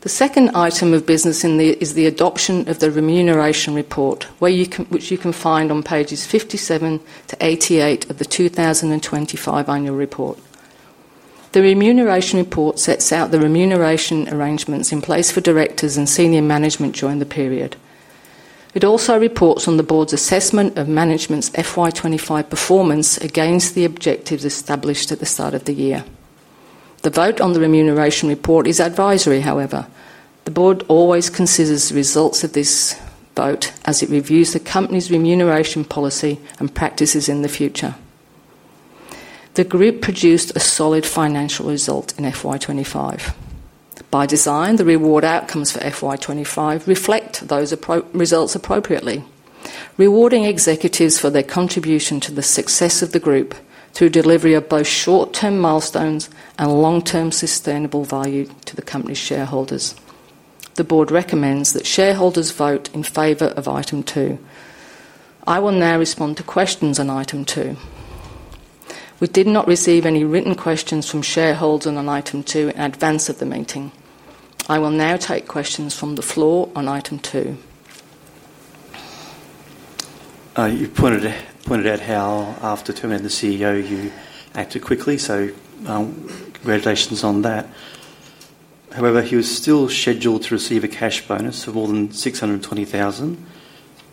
the second item of business is the adoption of the remuneration report, which you can find on pages 57-88 of the 2025 annual report. The remuneration report sets out the remuneration arrangements in place for directors and senior management during the period. It also reports on the board's assessment of management's FY 2025 performance against the objectives established at the start of the year. The vote on the remuneration report is advisory, however. The board always considers the results of this vote as it reviews the company's remuneration policy and practices in the future. The group produced a solid financial result in FY 2025. By design, the reward outcomes for FY 2025 reflect those results appropriately, rewarding executives for their contribution to the success of the group through delivery of both short-term milestones and long-term sustainable value to the company's shareholders. The board recommends that shareholders vote in favor of item two. I will now respond to questions on item two. We did not receive any written questions from shareholders on item two in advance of the meeting. I will now take questions from the floor on item two. You pointed out how after terminating the CEO, you acted quickly, so congratulations on that. However, he was still scheduled to receive a cash bonus of more than 620,000,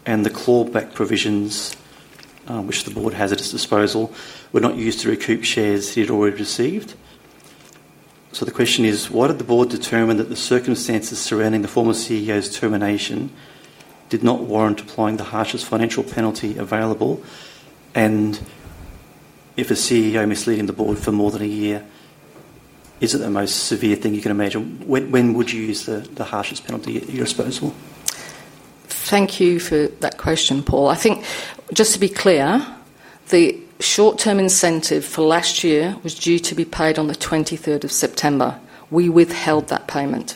and the clawback provisions, which the board has at its disposal, were not used to recoup shares he had already received. The question is, why did the board determine that the circumstances surrounding the former CEO's termination did not warrant applying the harshest financial penalty available? If a CEO misleading the board for more than a year is the most severe thing you can imagine, when would you use the harshest penalty at your disposal? Thank you for that question, Paul. I think just to be clear, the short-term incentive for last year was due to be paid on the 23rd of September. We withheld that payment.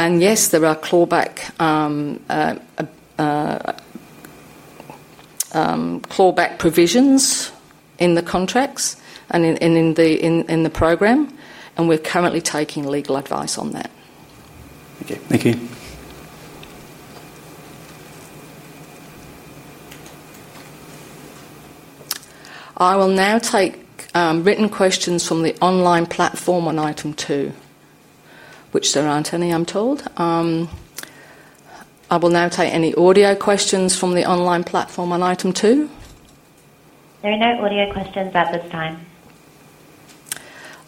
Yes, there are clawback provisions in the contracts and in the program, and we're currently taking legal advice on that. Okay, thank you. I will now take written questions from the online platform on item two, which there aren't any, I'm told. I will now take any audio questions from the online platform on item two. There are no audio questions at this time.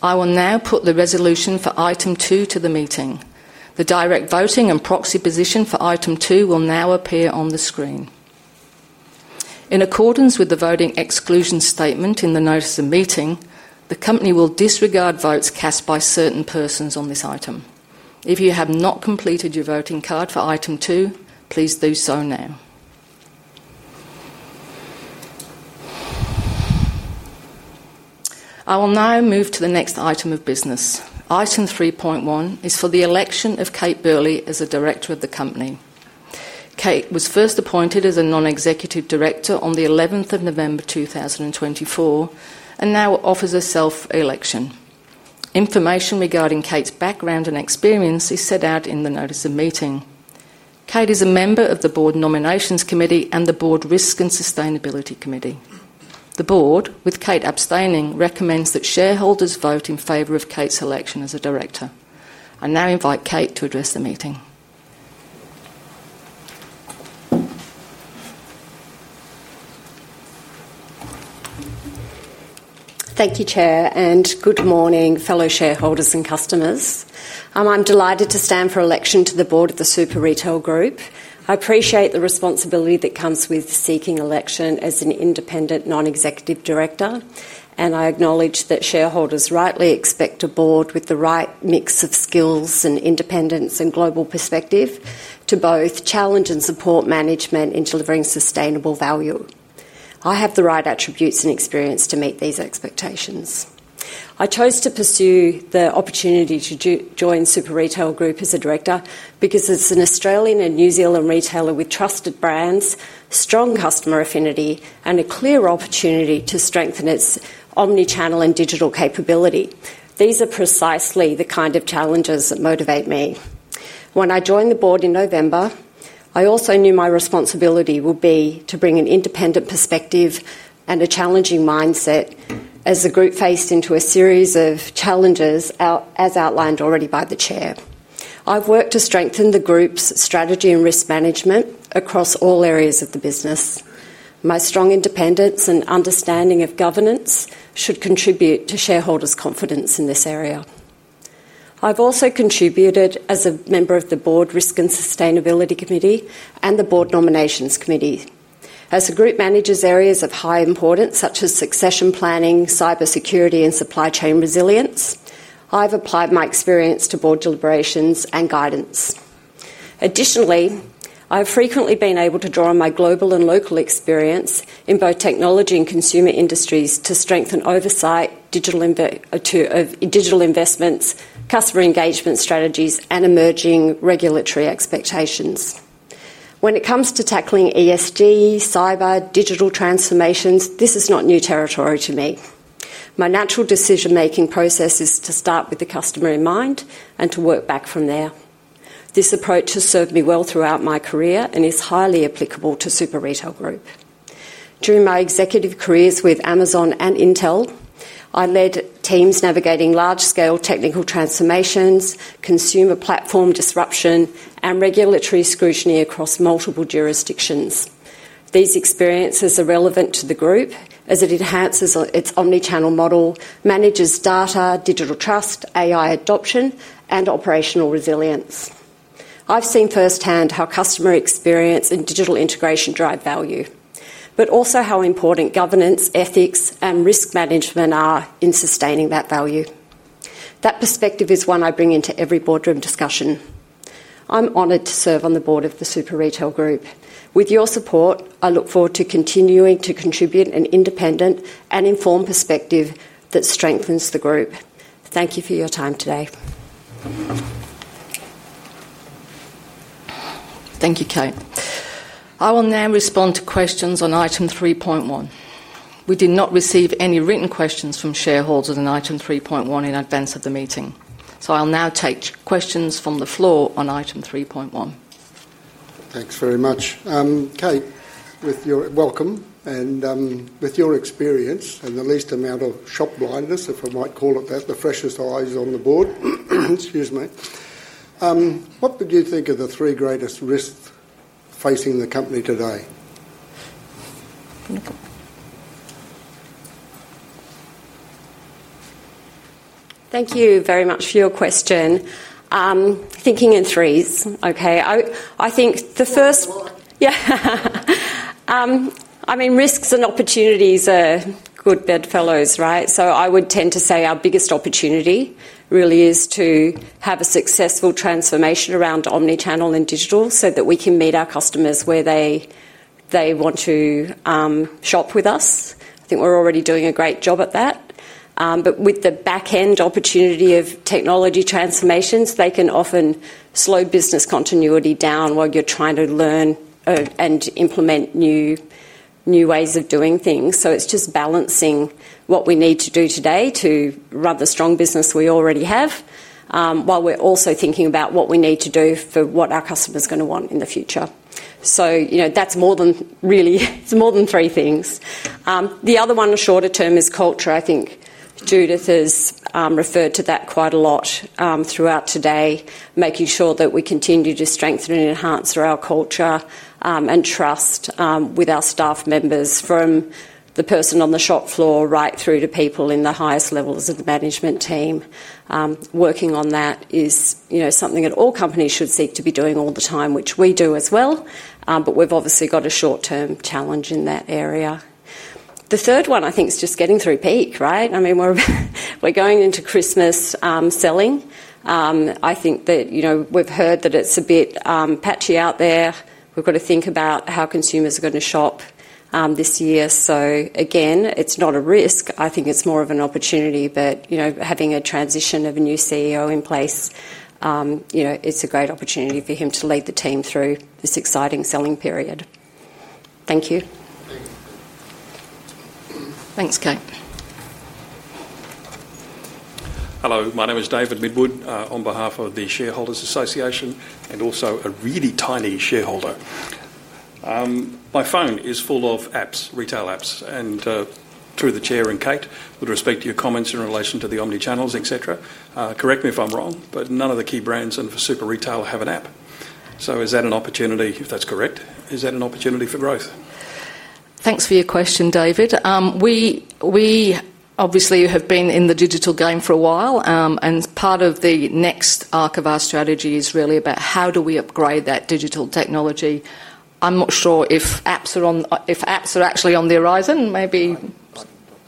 I will now put the resolution for item two to the meeting. The direct voting and proxy position for item two will now appear on the screen. In accordance with the voting exclusion statement in the notice of meeting, the company will disregard votes cast by certain persons on this item. If you have not completed your voting card for item two, please do so now. I will now move to the next item of business. Item 3.1 is for the election of Kate Burley as a director of the company. Kate was first appointed as an independent non-executive director on the 11th of November, 2024 and now offers a self-election. Information regarding Kate's background and experience is set out in the notice of meeting. Kate is a member of the Board Nominations Committee and the Board Risk and Sustainability Committee. The Board, with Kate abstaining, recommends that shareholders vote in favor of Kate's election as a director. I now invite Kate to address the meeting. Thank you, Chair, and good morning, fellow shareholders and customers. I'm delighted to stand for election to the board of Super Retail Group. I appreciate the responsibility that comes with seeking election as an Independent Non-Executive Director, and I acknowledge that shareholders rightly expect a board with the right mix of skills and independence and global perspective to both challenge and support management in delivering sustainable value. I have the right attributes and experience to meet these expectations. I chose to pursue the opportunity to join Super Retail Group as a director because it's an Australian and New Zealand retailer with trusted brands, strong customer affinity, and a clear opportunity to strengthen its omnichannel and digital capability. These are precisely the kind of challenges that motivate me. When I joined the board in November, I also knew my responsibility would be to bring an independent perspective and a challenging mindset as the group faced into a series of challenges as outlined already by the Chair. I've worked to strengthen the group's strategy and risk management across all areas of the business. My strong independence and understanding of governance should contribute to shareholders' confidence in this area. I've also contributed as a member of the Board Risk and Sustainability Committee and the Board Nominations Committee. As the group manages areas of high importance, such as succession planning, cybersecurity, and supply chain resilience, I've applied my experience to board deliberations and guidance. Additionally, I've frequently been able to draw on my global and local experience in both technology and consumer industries to strengthen oversight, digital investments, customer engagement strategies, and emerging regulatory expectations. When it comes to tackling ESG, cyber, digital transformations, this is not new territory to me. My natural decision-making process is to start with the customer in mind and to work back from there. This approach has served me well throughout my career and is highly applicable to Super Retail Group. During my executive careers with Amazon and Intel, I led teams navigating large-scale technical transformations, consumer platform disruption, and regulatory scrutiny across multiple jurisdictions. These experiences are relevant to the group as it enhances its omnichannel model, manages data, digital trust, AI adoption, and operational resilience. I've seen firsthand how customer experience and digital integration drive value, but also how important governance, ethics, and risk management are in sustaining that value. That perspective is one I bring into every boardroom discussion. I'm honored to serve on the board of Super Retail Group. With your support, I look forward to continuing to contribute an independent and informed perspective that strengthens the group. Thank you for your time today. Thank you, Kate. I will now respond to questions on item 3.1. We did not receive any written questions from shareholders on item 3.1 in advance of the meeting, so I'll now take questions from the floor on item 3.1. Thanks very much. Kate, with your welcome and with your experience and the least amount of shop blindness, if I might call it that, the freshest eyes on the board, what would you think are the three greatest risks facing the company today? Thank you very much for your question. Thinking in threes, I think the first, risks and opportunities are good bedfellows, right? I would tend to say our biggest opportunity really is to have a successful transformation around omnichannel and digital so that we can meet our customers where they want to shop with us. I think we're already doing a great job at that. With the backend opportunity of technology transformations, they can often slow business continuity down while you're trying to learn and implement new ways of doing things. It's just balancing what we need to do today to run the strong business we already have while we're also thinking about what we need to do for what our customers are going to want in the future. That's more than three things. The other one, the shorter term, is culture. I think Judith has referred to that quite a lot throughout today, making sure that we continue to strengthen and enhance our culture and trust with our staff members, from the person on the shop floor right through to people in the highest levels of the management team. Working on that is something that all companies should seek to be doing all the time, which we do as well, but we've obviously got a short-term challenge in that area. The third one, I think, is just getting through peak, right? We're going into Christmas selling. I think that we've heard that it's a bit patchy out there. We've got to think about how consumers are going to shop this year. It's not a risk. I think it's more of an opportunity, but having a transition of a new CEO in place, it's a great opportunity for him to lead the team through this exciting selling period. Thank you. Thanks, Kate. Hello, my name is David Midwood on behalf of the Shareholders Association and also a really tiny shareholder. My phone is full of apps, retail apps, and to the Chair and Kate, with respect to your comments in relation to the omnichannels, etc, correct me if I'm wrong, but none of the key brands and for Super Retail Group have an app. Is that an opportunity, if that's correct, is that an opportunity for growth? Thanks for your question, David. We obviously have been in the digital game for a while, and part of the next arc of our strategy is really about how do we upgrade that digital technology. I'm not sure if apps are actually on the horizon. Maybe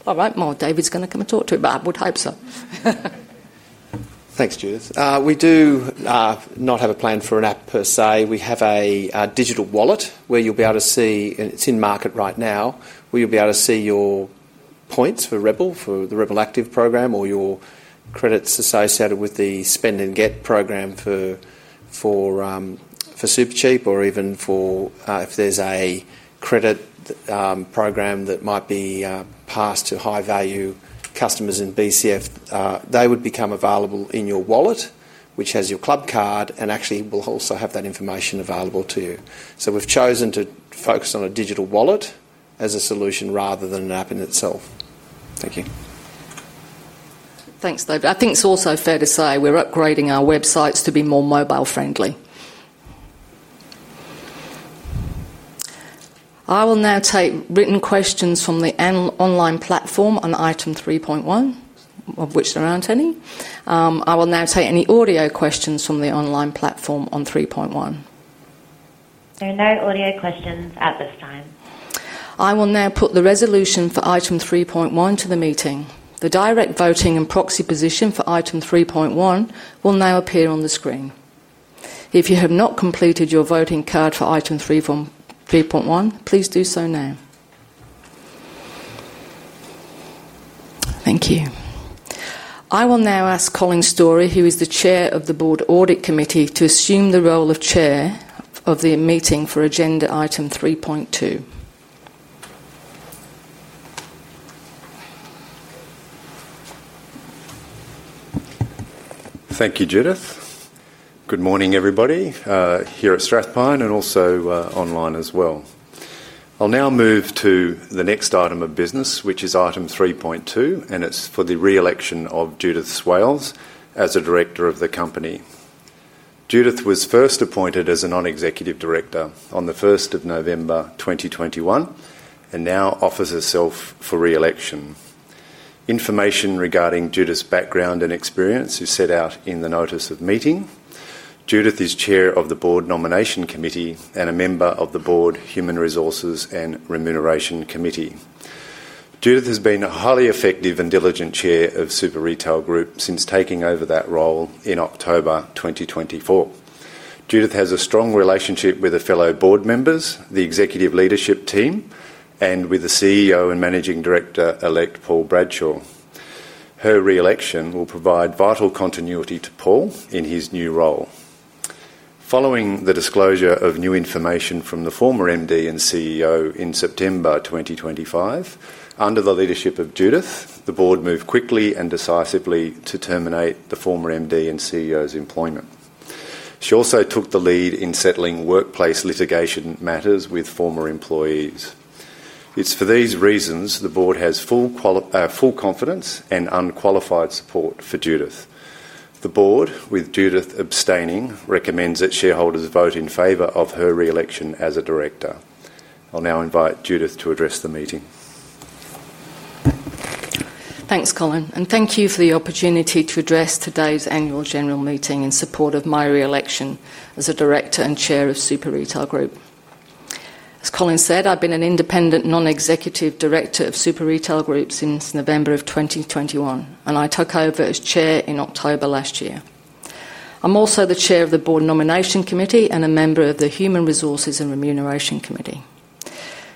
I won't know. David's going to come and talk to me, but I would hope so. Thanks, Judith. We do not have a plan for an app per se. We have a digital wallet where you'll be able to see, and it's in market right now, where you'll be able to see your points for Rebel, for the Rebel Active program, or your credits associated with the Spend and Get program for Supercheap Auto, or even if there's a credit program that might be passed to high-value customers in BCF, they would become available in your wallet, which has your Club Card, and actually will also have that information available to you. We have chosen to focus on a digital wallet as a solution rather than an app in itself. Thank you. Thanks, David. I think it's also fair to say we're upgrading our websites to be more mobile-friendly. I will now take written questions from the online platform on item 3.1, of which there aren't any. I will now take any audio questions from the online platform on 3.1. There are no audio questions at this time. I will now put the resolution for item 3.1 to the meeting. The direct voting and proxy position for item 3.1 will now appear on the screen. If you have not completed your voting card for item 3.1, please do so now. Thank you. I will now ask Colin Storrie, who is the Chair of the Board Audit Committee, to assume the role of Chair of the meeting for agenda item 3.2. Thank you, Judith. Good morning, everybody, here at Strathpine and also online as well. I'll now move to the next item of business, which is item 3.2, and it's for the reelection of Judith Swales as a Director of the company. Judith was first appointed as a non-executive director on the 1st of November, 2021 and now offers herself for reelection. Information regarding Judith's background and experience is set out in the notice of meeting. Judith is Chair of the Board Nomination Committee and a member of the Board Human Resources and Remuneration Committee. Judith has been a highly effective and diligent Chair of Super Retail Group since taking over that role in October 2024. Judith has a strong relationship with her fellow board members, the executive leadership team, and with the CEO and Managing Director-elect, Paul Bradshaw. Her reelection will provide vital continuity to Paul in his new role. Following the disclosure of new information from the former MD and CEO in September 2025, under the leadership of Judith, the board moved quickly and decisively to terminate the former MD and CEO's employment. She also took the lead in settling workplace litigation matters with former employees. It's for these reasons the board has full confidence and unqualified support for Judith. The board, with Judith abstaining, recommends that shareholders vote in favor of her reelection as a Director. I'll now invite Judith to address the meeting. Thanks, Colin, and thank you for the opportunity to address today's annual general meeting in support of my reelection as a Director and Chair of Super Retail Group. As Colin said, I've been an independent non-executive Director of Super Retail Group since November of 2021, and I took over as Chair in October last year. I'm also the Chair of the Board Nomination Committee and a member of the Human Resources and Remuneration Committee.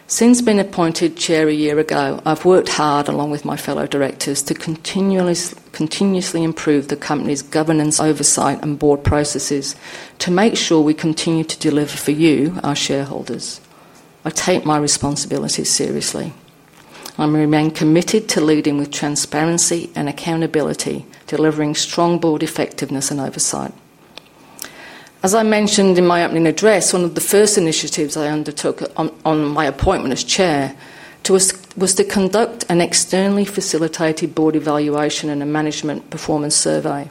Since being appointed Chair a year ago, I've worked hard, along with my fellow Directors, to continuously improve the company's governance, oversight, and board processes to make sure we continue to deliver for you, our shareholders. I take my responsibility seriously. I remain committed to leading with transparency and accountability, delivering strong board effectiveness and oversight. As I mentioned in my opening address, one of the first initiatives I undertook on my appointment as Chair was to conduct an externally facilitated board evaluation and a management performance survey.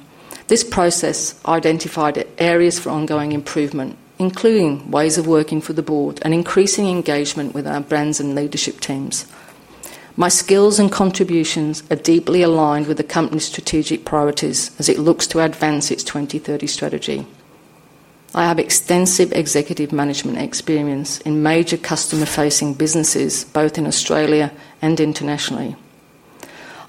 This process identified areas for ongoing improvement, including ways of working for the board and increasing engagement with our brands and leadership teams. My skills and contributions are deeply aligned with the company's strategic priorities as it looks to advance its 2030 strategy. I have extensive executive management experience in major customer-facing businesses, both in Australia and internationally.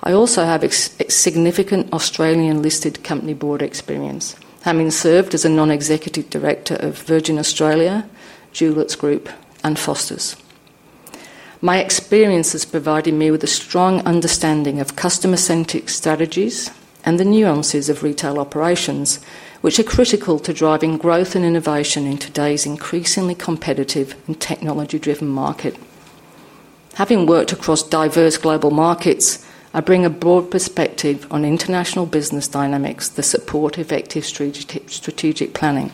I also have significant Australian-listed company board experience, having served as a non-executive Director of Virgin Australia, Juliet's Group, and Foster's. My experience has provided me with a strong understanding of customer-centric strategies and the nuances of retail operations, which are critical to driving growth and innovation in today's increasingly competitive and technology-driven market. Having worked across diverse global markets, I bring a broad perspective on international business dynamics that support effective strategic planning.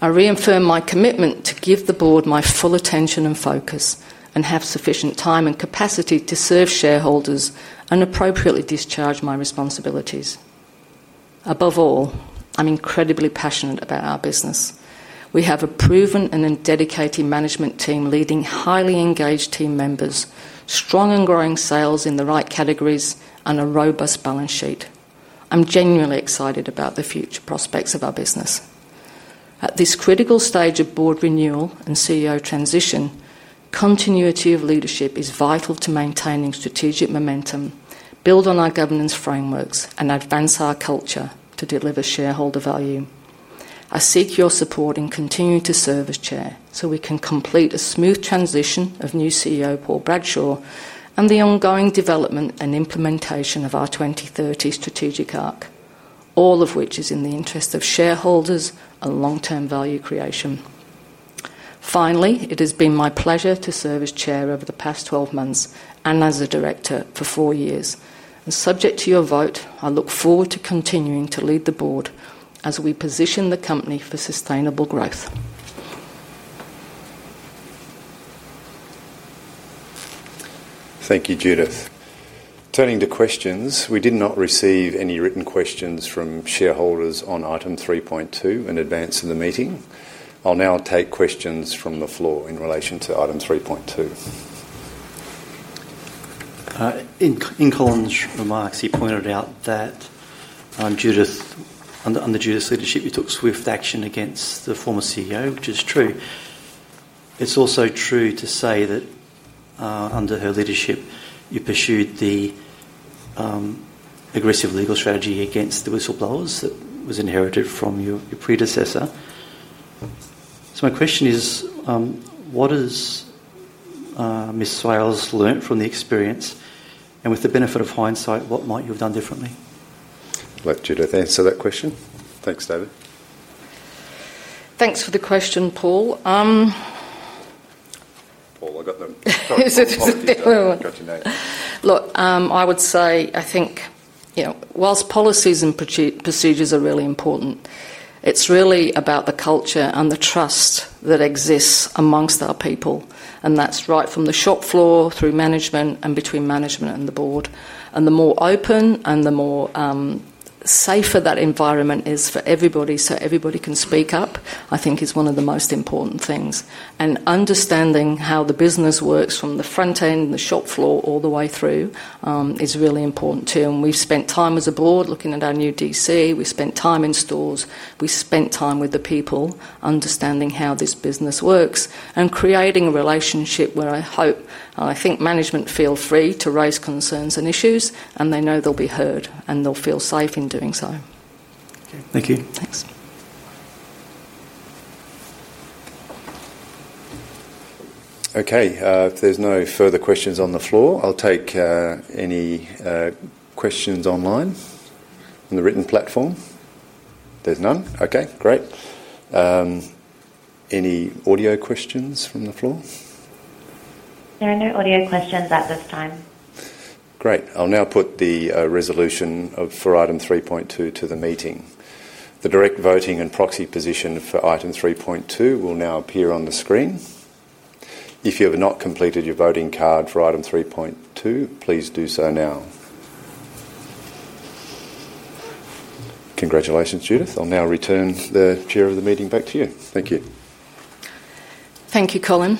I reaffirm my commitment to give the board my full attention and focus and have sufficient time and capacity to serve shareholders and appropriately discharge my responsibilities. Above all, I'm incredibly passionate about our business. We have a proven and dedicated management team leading highly engaged team members, strong and growing sales in the right categories, and a robust balance sheet. I'm genuinely excited about the future prospects of our business. At this critical stage of board renewal and CEO transition, continuity of leadership is vital to maintaining strategic momentum, build on our governance frameworks, and advance our culture to deliver shareholder value. I seek your support in continuing to serve as Chair so we can complete a smooth transition of new CEO Paul Bradshaw and the ongoing development and implementation of our 2030 strategic arc, all of which is in the interest of shareholders and long-term value creation. Finally, it has been my pleasure to serve as Chair over the past 12 months and as a Director for four years. Subject to your vote, I look forward to continuing to lead the board as we position the company for sustainable growth. Thank you, Judith. Turning to questions, we did not receive any written questions from shareholders on item 3.2 in advance of the meeting. I'll now take questions from the floor in relation to item 3.2. In Colin's remarks, he pointed out that under Judith's leadership, you took swift action against the former CEO, which is true. It's also true to say that under her leadership, you pursued the aggressive legal strategy against the whistleblowers that was inherited from your predecessor. My question is, what has Ms. Swales learned from the experience? With the benefit of hindsight, what might you have done differently? Let Judith answer that question. Thanks, David. Thanks for the question, Paul. Paul, I got the topic in my mind. Look, I would say I think, you know, whilst policies and procedures are really important, it's really about the culture and the trust that exists amongst our people. That's right from the shop floor through management and between management and the board. The more open and the more safer that environment is for everybody, so everybody can speak up, I think is one of the most important things. Understanding how the business works from the front end and the shop floor all the way through is really important too. We've spent time as a board looking at our new DC. We spent time in stores. We spent time with the people understanding how this business works and creating a relationship where I hope I think management feel free to raise concerns and issues. They know they'll be heard, and they'll feel safe in doing so. Okay, thank you. Thanks. Okay. If there's no further questions on the floor, I'll take any questions online on the written platform. There's none. Okay. Great. Any audio questions from the floor? There are no audio questions at this time. Great. I'll now put the resolution for item 3.2 to the meeting. The direct voting and proxy position for item 3.2 will now appear on the screen. If you have not completed your voting card for item 3.2, please do so now. Congratulations, Judith. I'll now return the Chair of the meeting back to you. Thank you. Thank you, Colin.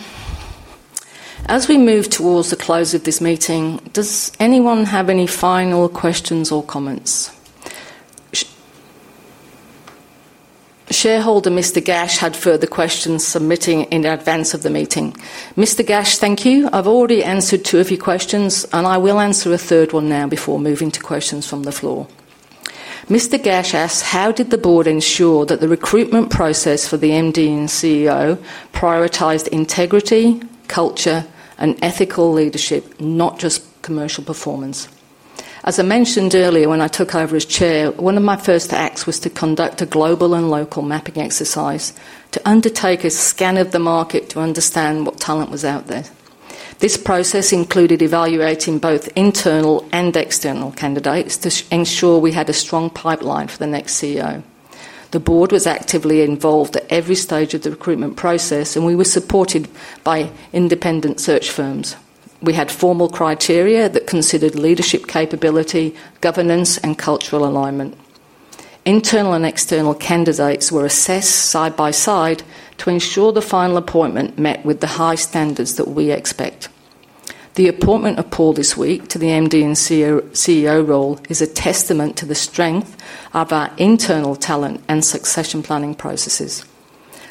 As we move towards the close of this meeting, does anyone have any final questions or comments? Shareholder Mr. Gash had further questions submitted in advance of the meeting. Mr. Gash, thank you. I've already answered two of your questions, and I will answer a third one now before moving to questions from the floor. Mr. Gash asks, "How did the board ensure that the recruitment process for the MD and CEO prioritized integrity, culture, and ethical leadership, not just commercial performance?" As I mentioned earlier, when I took over as Chair, one of my first acts was to conduct a global and local mapping exercise, to undertake a scan of the market to understand what talent was out there. This process included evaluating both internal and external candidates to ensure we had a strong pipeline for the next CEO. The board was actively involved at every stage of the recruitment process, and we were supported by independent search firms. We had formal criteria that considered leadership capability, governance, and cultural alignment. Internal and external candidates were assessed side by side to ensure the final appointment met with the high standards that we expect. The appointment of Paul this week to the MD and CEO role is a testament to the strength of our internal talent and succession planning processes.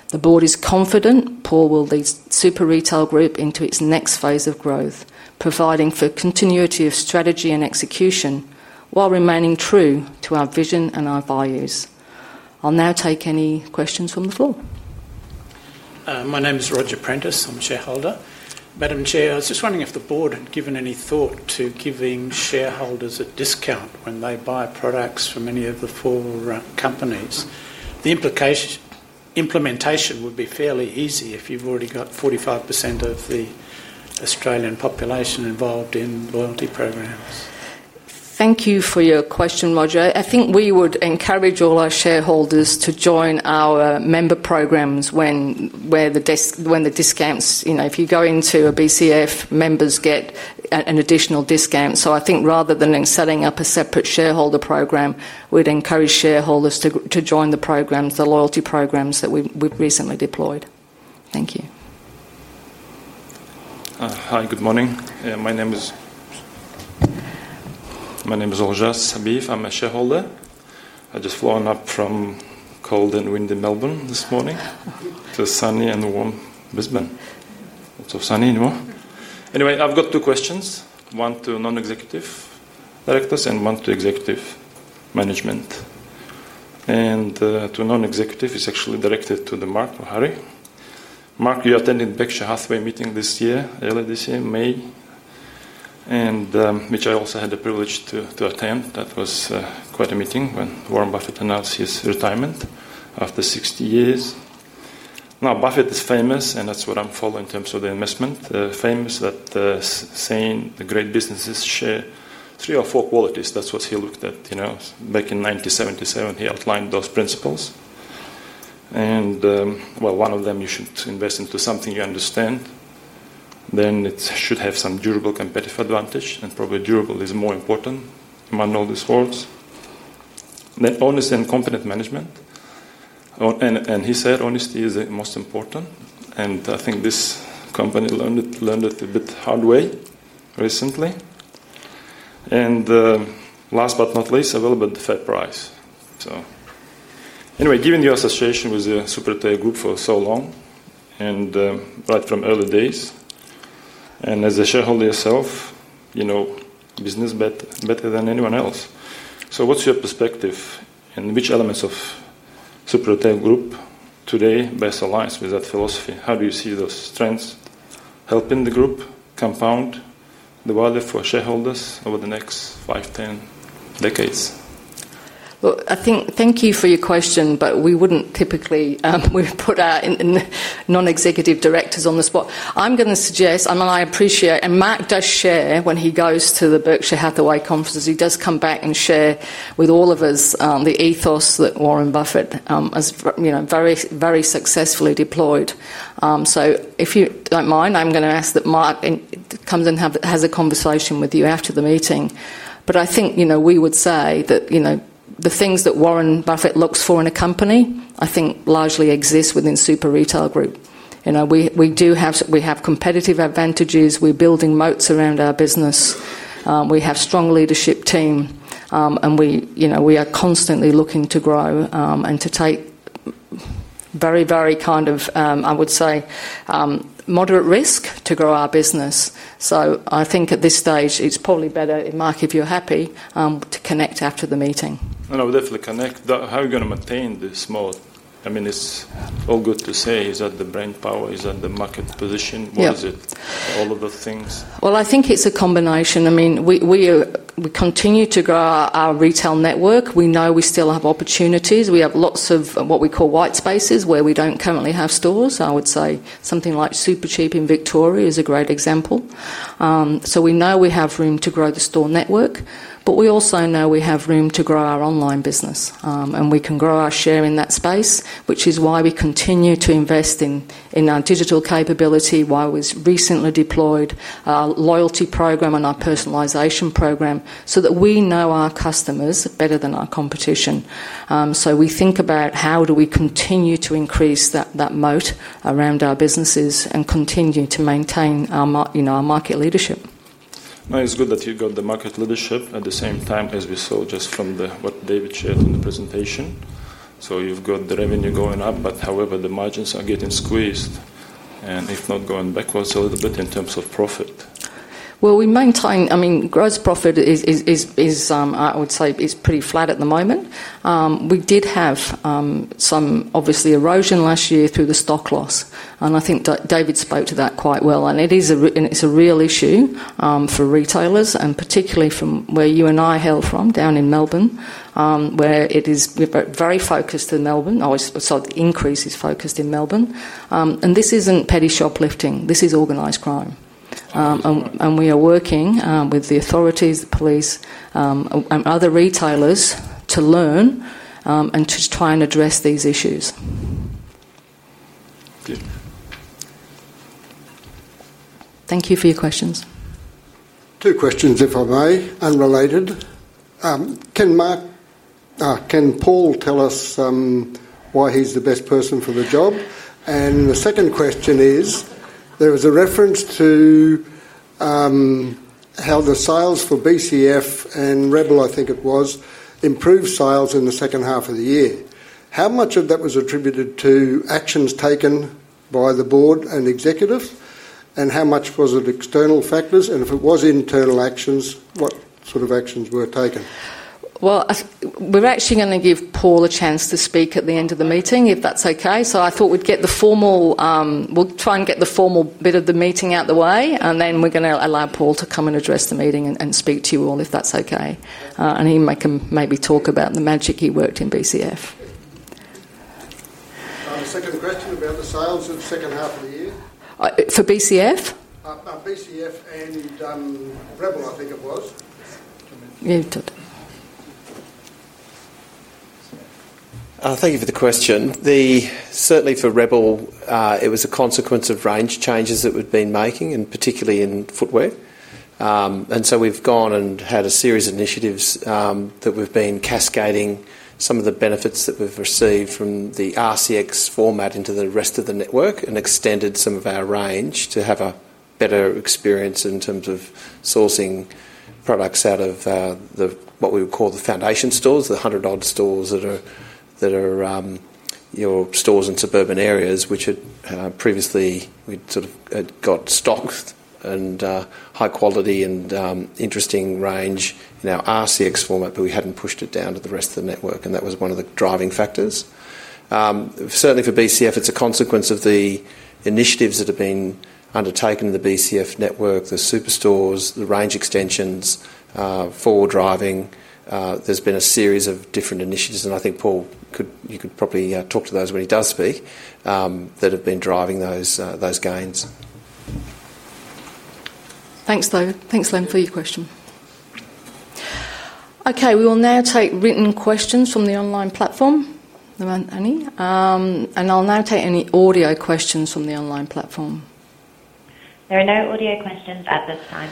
The board is confident Paul will lead Super Retail Group into its next phase of growth, providing for continuity of strategy and execution while remaining true to our vision and our values. I'll now take any questions from the floor. My name is Roger Prentice. I'm a shareholder. Madam Chair, I was just wondering if the board had given any thought to giving shareholders a discount when they buy products from any of the four companies. The implementation would be fairly easy if you've already got 45% of the Australian population involved in loyalty programs. Thank you for your question, Roger. I think we would encourage all our shareholders to join our member programs when the discounts, you know, if you go into a BCF, members get an additional discount. I think rather than setting up a separate shareholder program, we'd encourage shareholders to join the loyalty programs that we've recently deployed. Thank you. Hi. Good morning. My name is Rojas. I'm a shareholder. I've just flown up from Colin and Winn in Melbourne this morning to sunny and warm Brisbane. Lots of sunny and warm. Anyway, I've got two questions, one to non-executive directors and one to executive management. To non-executive, it's actually directed to Mark. Mark, you attended Berkshire Hathaway meeting this year, earlier this year, May, which I also had the privilege to attend. That was quite a meeting when Warren Buffett announced his retirement after 60 years. Now, Buffett is famous, and that's what I'm following in terms of the investment. Famous at saying the great businesses share three or four qualities. That's what he looked at, you know, back in 1977. He outlined those principles. One of them, you should invest into something you understand. It should have some durable competitive advantage, and probably durable is more important among all these words. Honest and competent management. He said honesty is the most important. I think this company learned it a bit the hard way recently. Last but not least, a well-built fair price. Anyway, given your association with the Super Retail Group for so long, and right from early days, and as a shareholder yourself, you know business better than anyone else. What's your perspective and which elements of Super Retail Group today best aligns with that philosophy? How do you see those strengths helping the group compound the value for shareholders over the next 5-10 decades? Thank you for your question, but we wouldn't typically put our independent non-executive directors on the spot. I'm going to suggest, and I appreciate, and Mark does share when he goes to the Berkshire Hathaway conferences. He does come back and share with all of us the ethos that Warren Buffett has, you know, very, very successfully deployed. If you don't mind, I'm going to ask that Mark comes in and has a conversation with you after the meeting. I think we would say that the things that Warren Buffett looks for in a company, I think largely exist within Super Retail Group. We do have competitive advantages. We're building moats around our business. We have a strong leadership team. We are constantly looking to grow and to take very, very kind of, I would say, moderate risk to grow our business. At this stage, it's probably better, Mark, if you're happy, to connect after the meeting. I will definitely connect. How are you going to maintain this moat? I mean, it's all good to say he's at the brainpower, he's at the market position. What is it, all of the things? I think it's a combination. We continue to grow our retail network. We know we still have opportunities. We have lots of what we call white spaces where we don't currently have stores. I would say something like Supercheap Auto in Victoria is a great example. We know we have room to grow the store network. We also know we have room to grow our online business. We can grow our share in that space, which is why we continue to invest in our digital capability, why we recently deployed our loyalty program and our personalization program so that we know our customers better than our competition. We think about how do we continue to increase that moat around our businesses and continue to maintain our market leadership. It's good that you've got the market leadership at the same time as we saw just from what David shared in the presentation. You've got the revenue going up, however, the margins are getting squeezed, if not going backwards a little bit in terms of profit. Gross profit is, I would say, is pretty flat at the moment. We did have some obviously erosion last year through the stock loss. I think David spoke to that quite well. It is a real issue for retailers, and particularly from where you and I hail from down in Melbourne, where it is very focused in Melbourne. I always saw the increase is focused in Melbourne. This isn't petty shoplifting. This is organized crime. We are working with the authorities, the police, and other retailers to learn and to try and address these issues. Good. Thank you for your questions. Two questions, if I may, unrelated. Can Paul tell us why he's the best person for the job? The second question is, there was a reference to how the sales for BCF and Rebel, I think it was, improved sales in the second half of the year. How much of that was attributed to actions taken by the board and executives? How much was it external factors? If it was internal actions, what sort of actions were taken? We're actually going to give Paul a chance to speak at the end of the meeting, if that's okay. I thought we'd get the formal, we'll try and get the formal bit of the meeting out of the way, and then we're going to allow Paul to come and address the meeting and speak to you all, if that's okay. He may maybe talk about the magic he worked in BCF. Second question about the sales in the second half of the year? For BCF? No, BCF and Rebel, I think it was. Thank you for the question. Certainly for Rebel, it was a consequence of range changes that we've been making, particularly in footwear. We've had a series of initiatives that we've been cascading, some of the benefits that we've received from the RCX format into the rest of the network, and extended some of our range to have a better experience in terms of sourcing products out of what we would call the foundation stores, the 100-odd stores that are your stores in suburban areas, which previously we'd sort of got stock and high quality and interesting range in our RCX format, but we hadn't pushed it down to the rest of the network. That was one of the driving factors. Certainly for BCF, it's a consequence of the initiatives that have been undertaken in the BCF network, the superstores, the range extensions, forward driving. There's been a series of different initiatives, and I think Paul, you could probably talk to those when he does speak, that have been driving those gains. Thanks, though. Thanks, Lynn, for your question. Okay, we will now take written questions from the online platform. There aren't any. I'll now take any audio questions from the online platform. There are no audio questions at this time.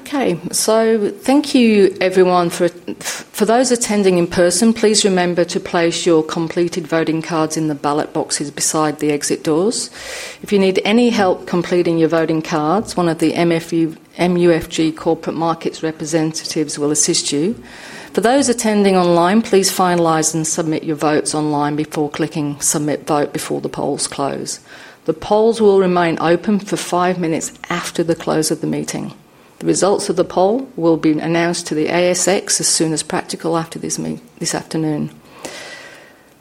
Thank you, everyone. For those attending in person, please remember to place your completed voting cards in the ballot boxes beside the exit doors. If you need any help completing your voting cards, one of the MUFG Corporate Markets representatives will assist you. For those attending online, please finalize and submit your votes online before clicking submit vote before the polls close. The polls will remain open for five minutes after the close of the meeting. The results of the poll will be announced to the ASX as soon as practical after this afternoon.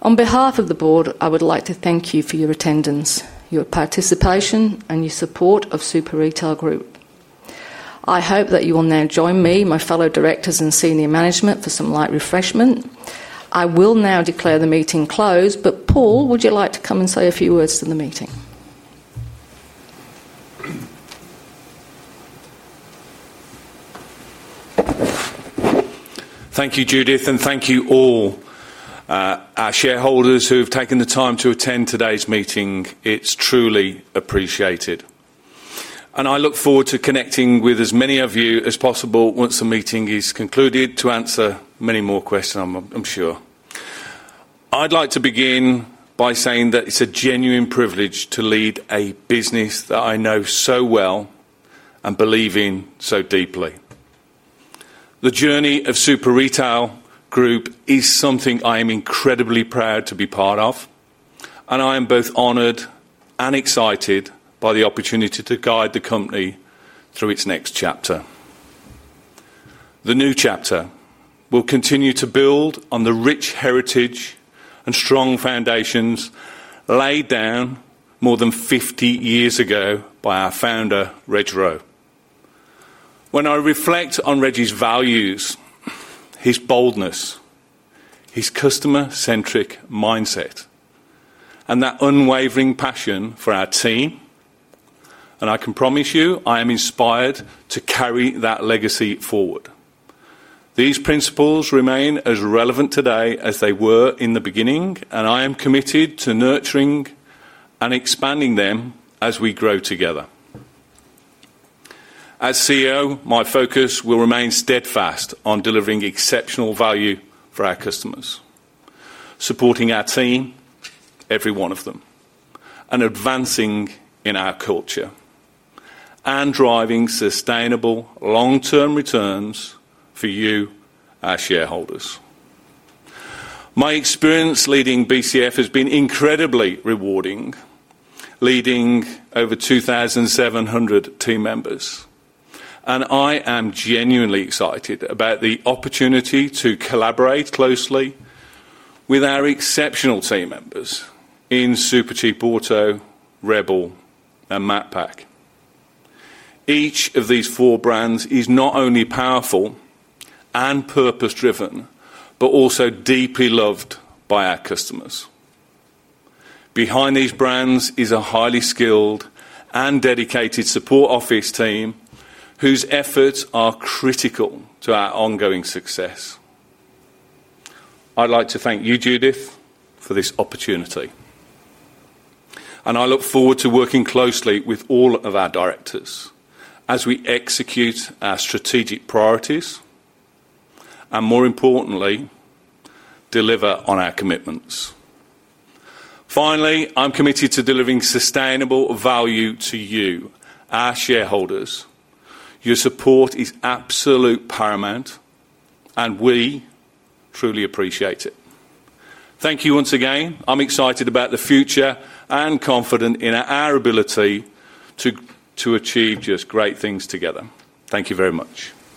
On behalf of the Board, I would like to thank you for your attendance, your participation, and your support of Super Retail Group. I hope that you will now join me, my fellow directors, and senior management for some light refreshment. I will now declare the meeting closed, but Paul, would you like to come and say a few words to the meeting? Thank you, Judith, and thank you all our shareholders who have taken the time to attend today's meeting. It's truly appreciated. I look forward to connecting with as many of you as possible once the meeting is concluded to answer many more questions, I'm sure. I'd like to begin by saying that it's a genuine privilege to lead a business that I know so well and believe in so deeply. The journey of Super Retail Group is something I am incredibly proud to be part of, and I am both honored and excited by the opportunity to guide the company through its next chapter. The new chapter will continue to build on the rich heritage and strong foundations laid down more than 50 years ago by our founder, Reg Rowe. When I reflect on Reg's values, his boldness, his customer-centric mindset, and that unwavering passion for our team, I can promise you I am inspired to carry that legacy forward. These principles remain as relevant today as they were in the beginning, and I am committed to nurturing and expanding them as we grow together. As CEO, my focus will remain steadfast on delivering exceptional value for our customers, supporting our team, every one of them, advancing in our culture, and driving sustainable long-term returns for you, our shareholders. My experience leading BCF has been incredibly rewarding, leading over 2,700 team members. I am genuinely excited about the opportunity to collaborate closely with our exceptional team members in Supercheap Auto, Rebel, and Macpac. Each of these four brands is not only powerful and purpose-driven, but also deeply loved by our customers. Behind these brands is a highly skilled and dedicated support office team whose efforts are critical to our ongoing success. I'd like to thank you, Judith, for this opportunity. I look forward to working closely with all of our directors as we execute our strategic priorities and, more importantly, deliver on our commitments. Finally, I'm committed to delivering sustainable value to you, our shareholders. Your support is absolutely paramount, and we truly appreciate it. Thank you once again. I'm excited about the future and confident in our ability to achieve just great things together. Thank you very much.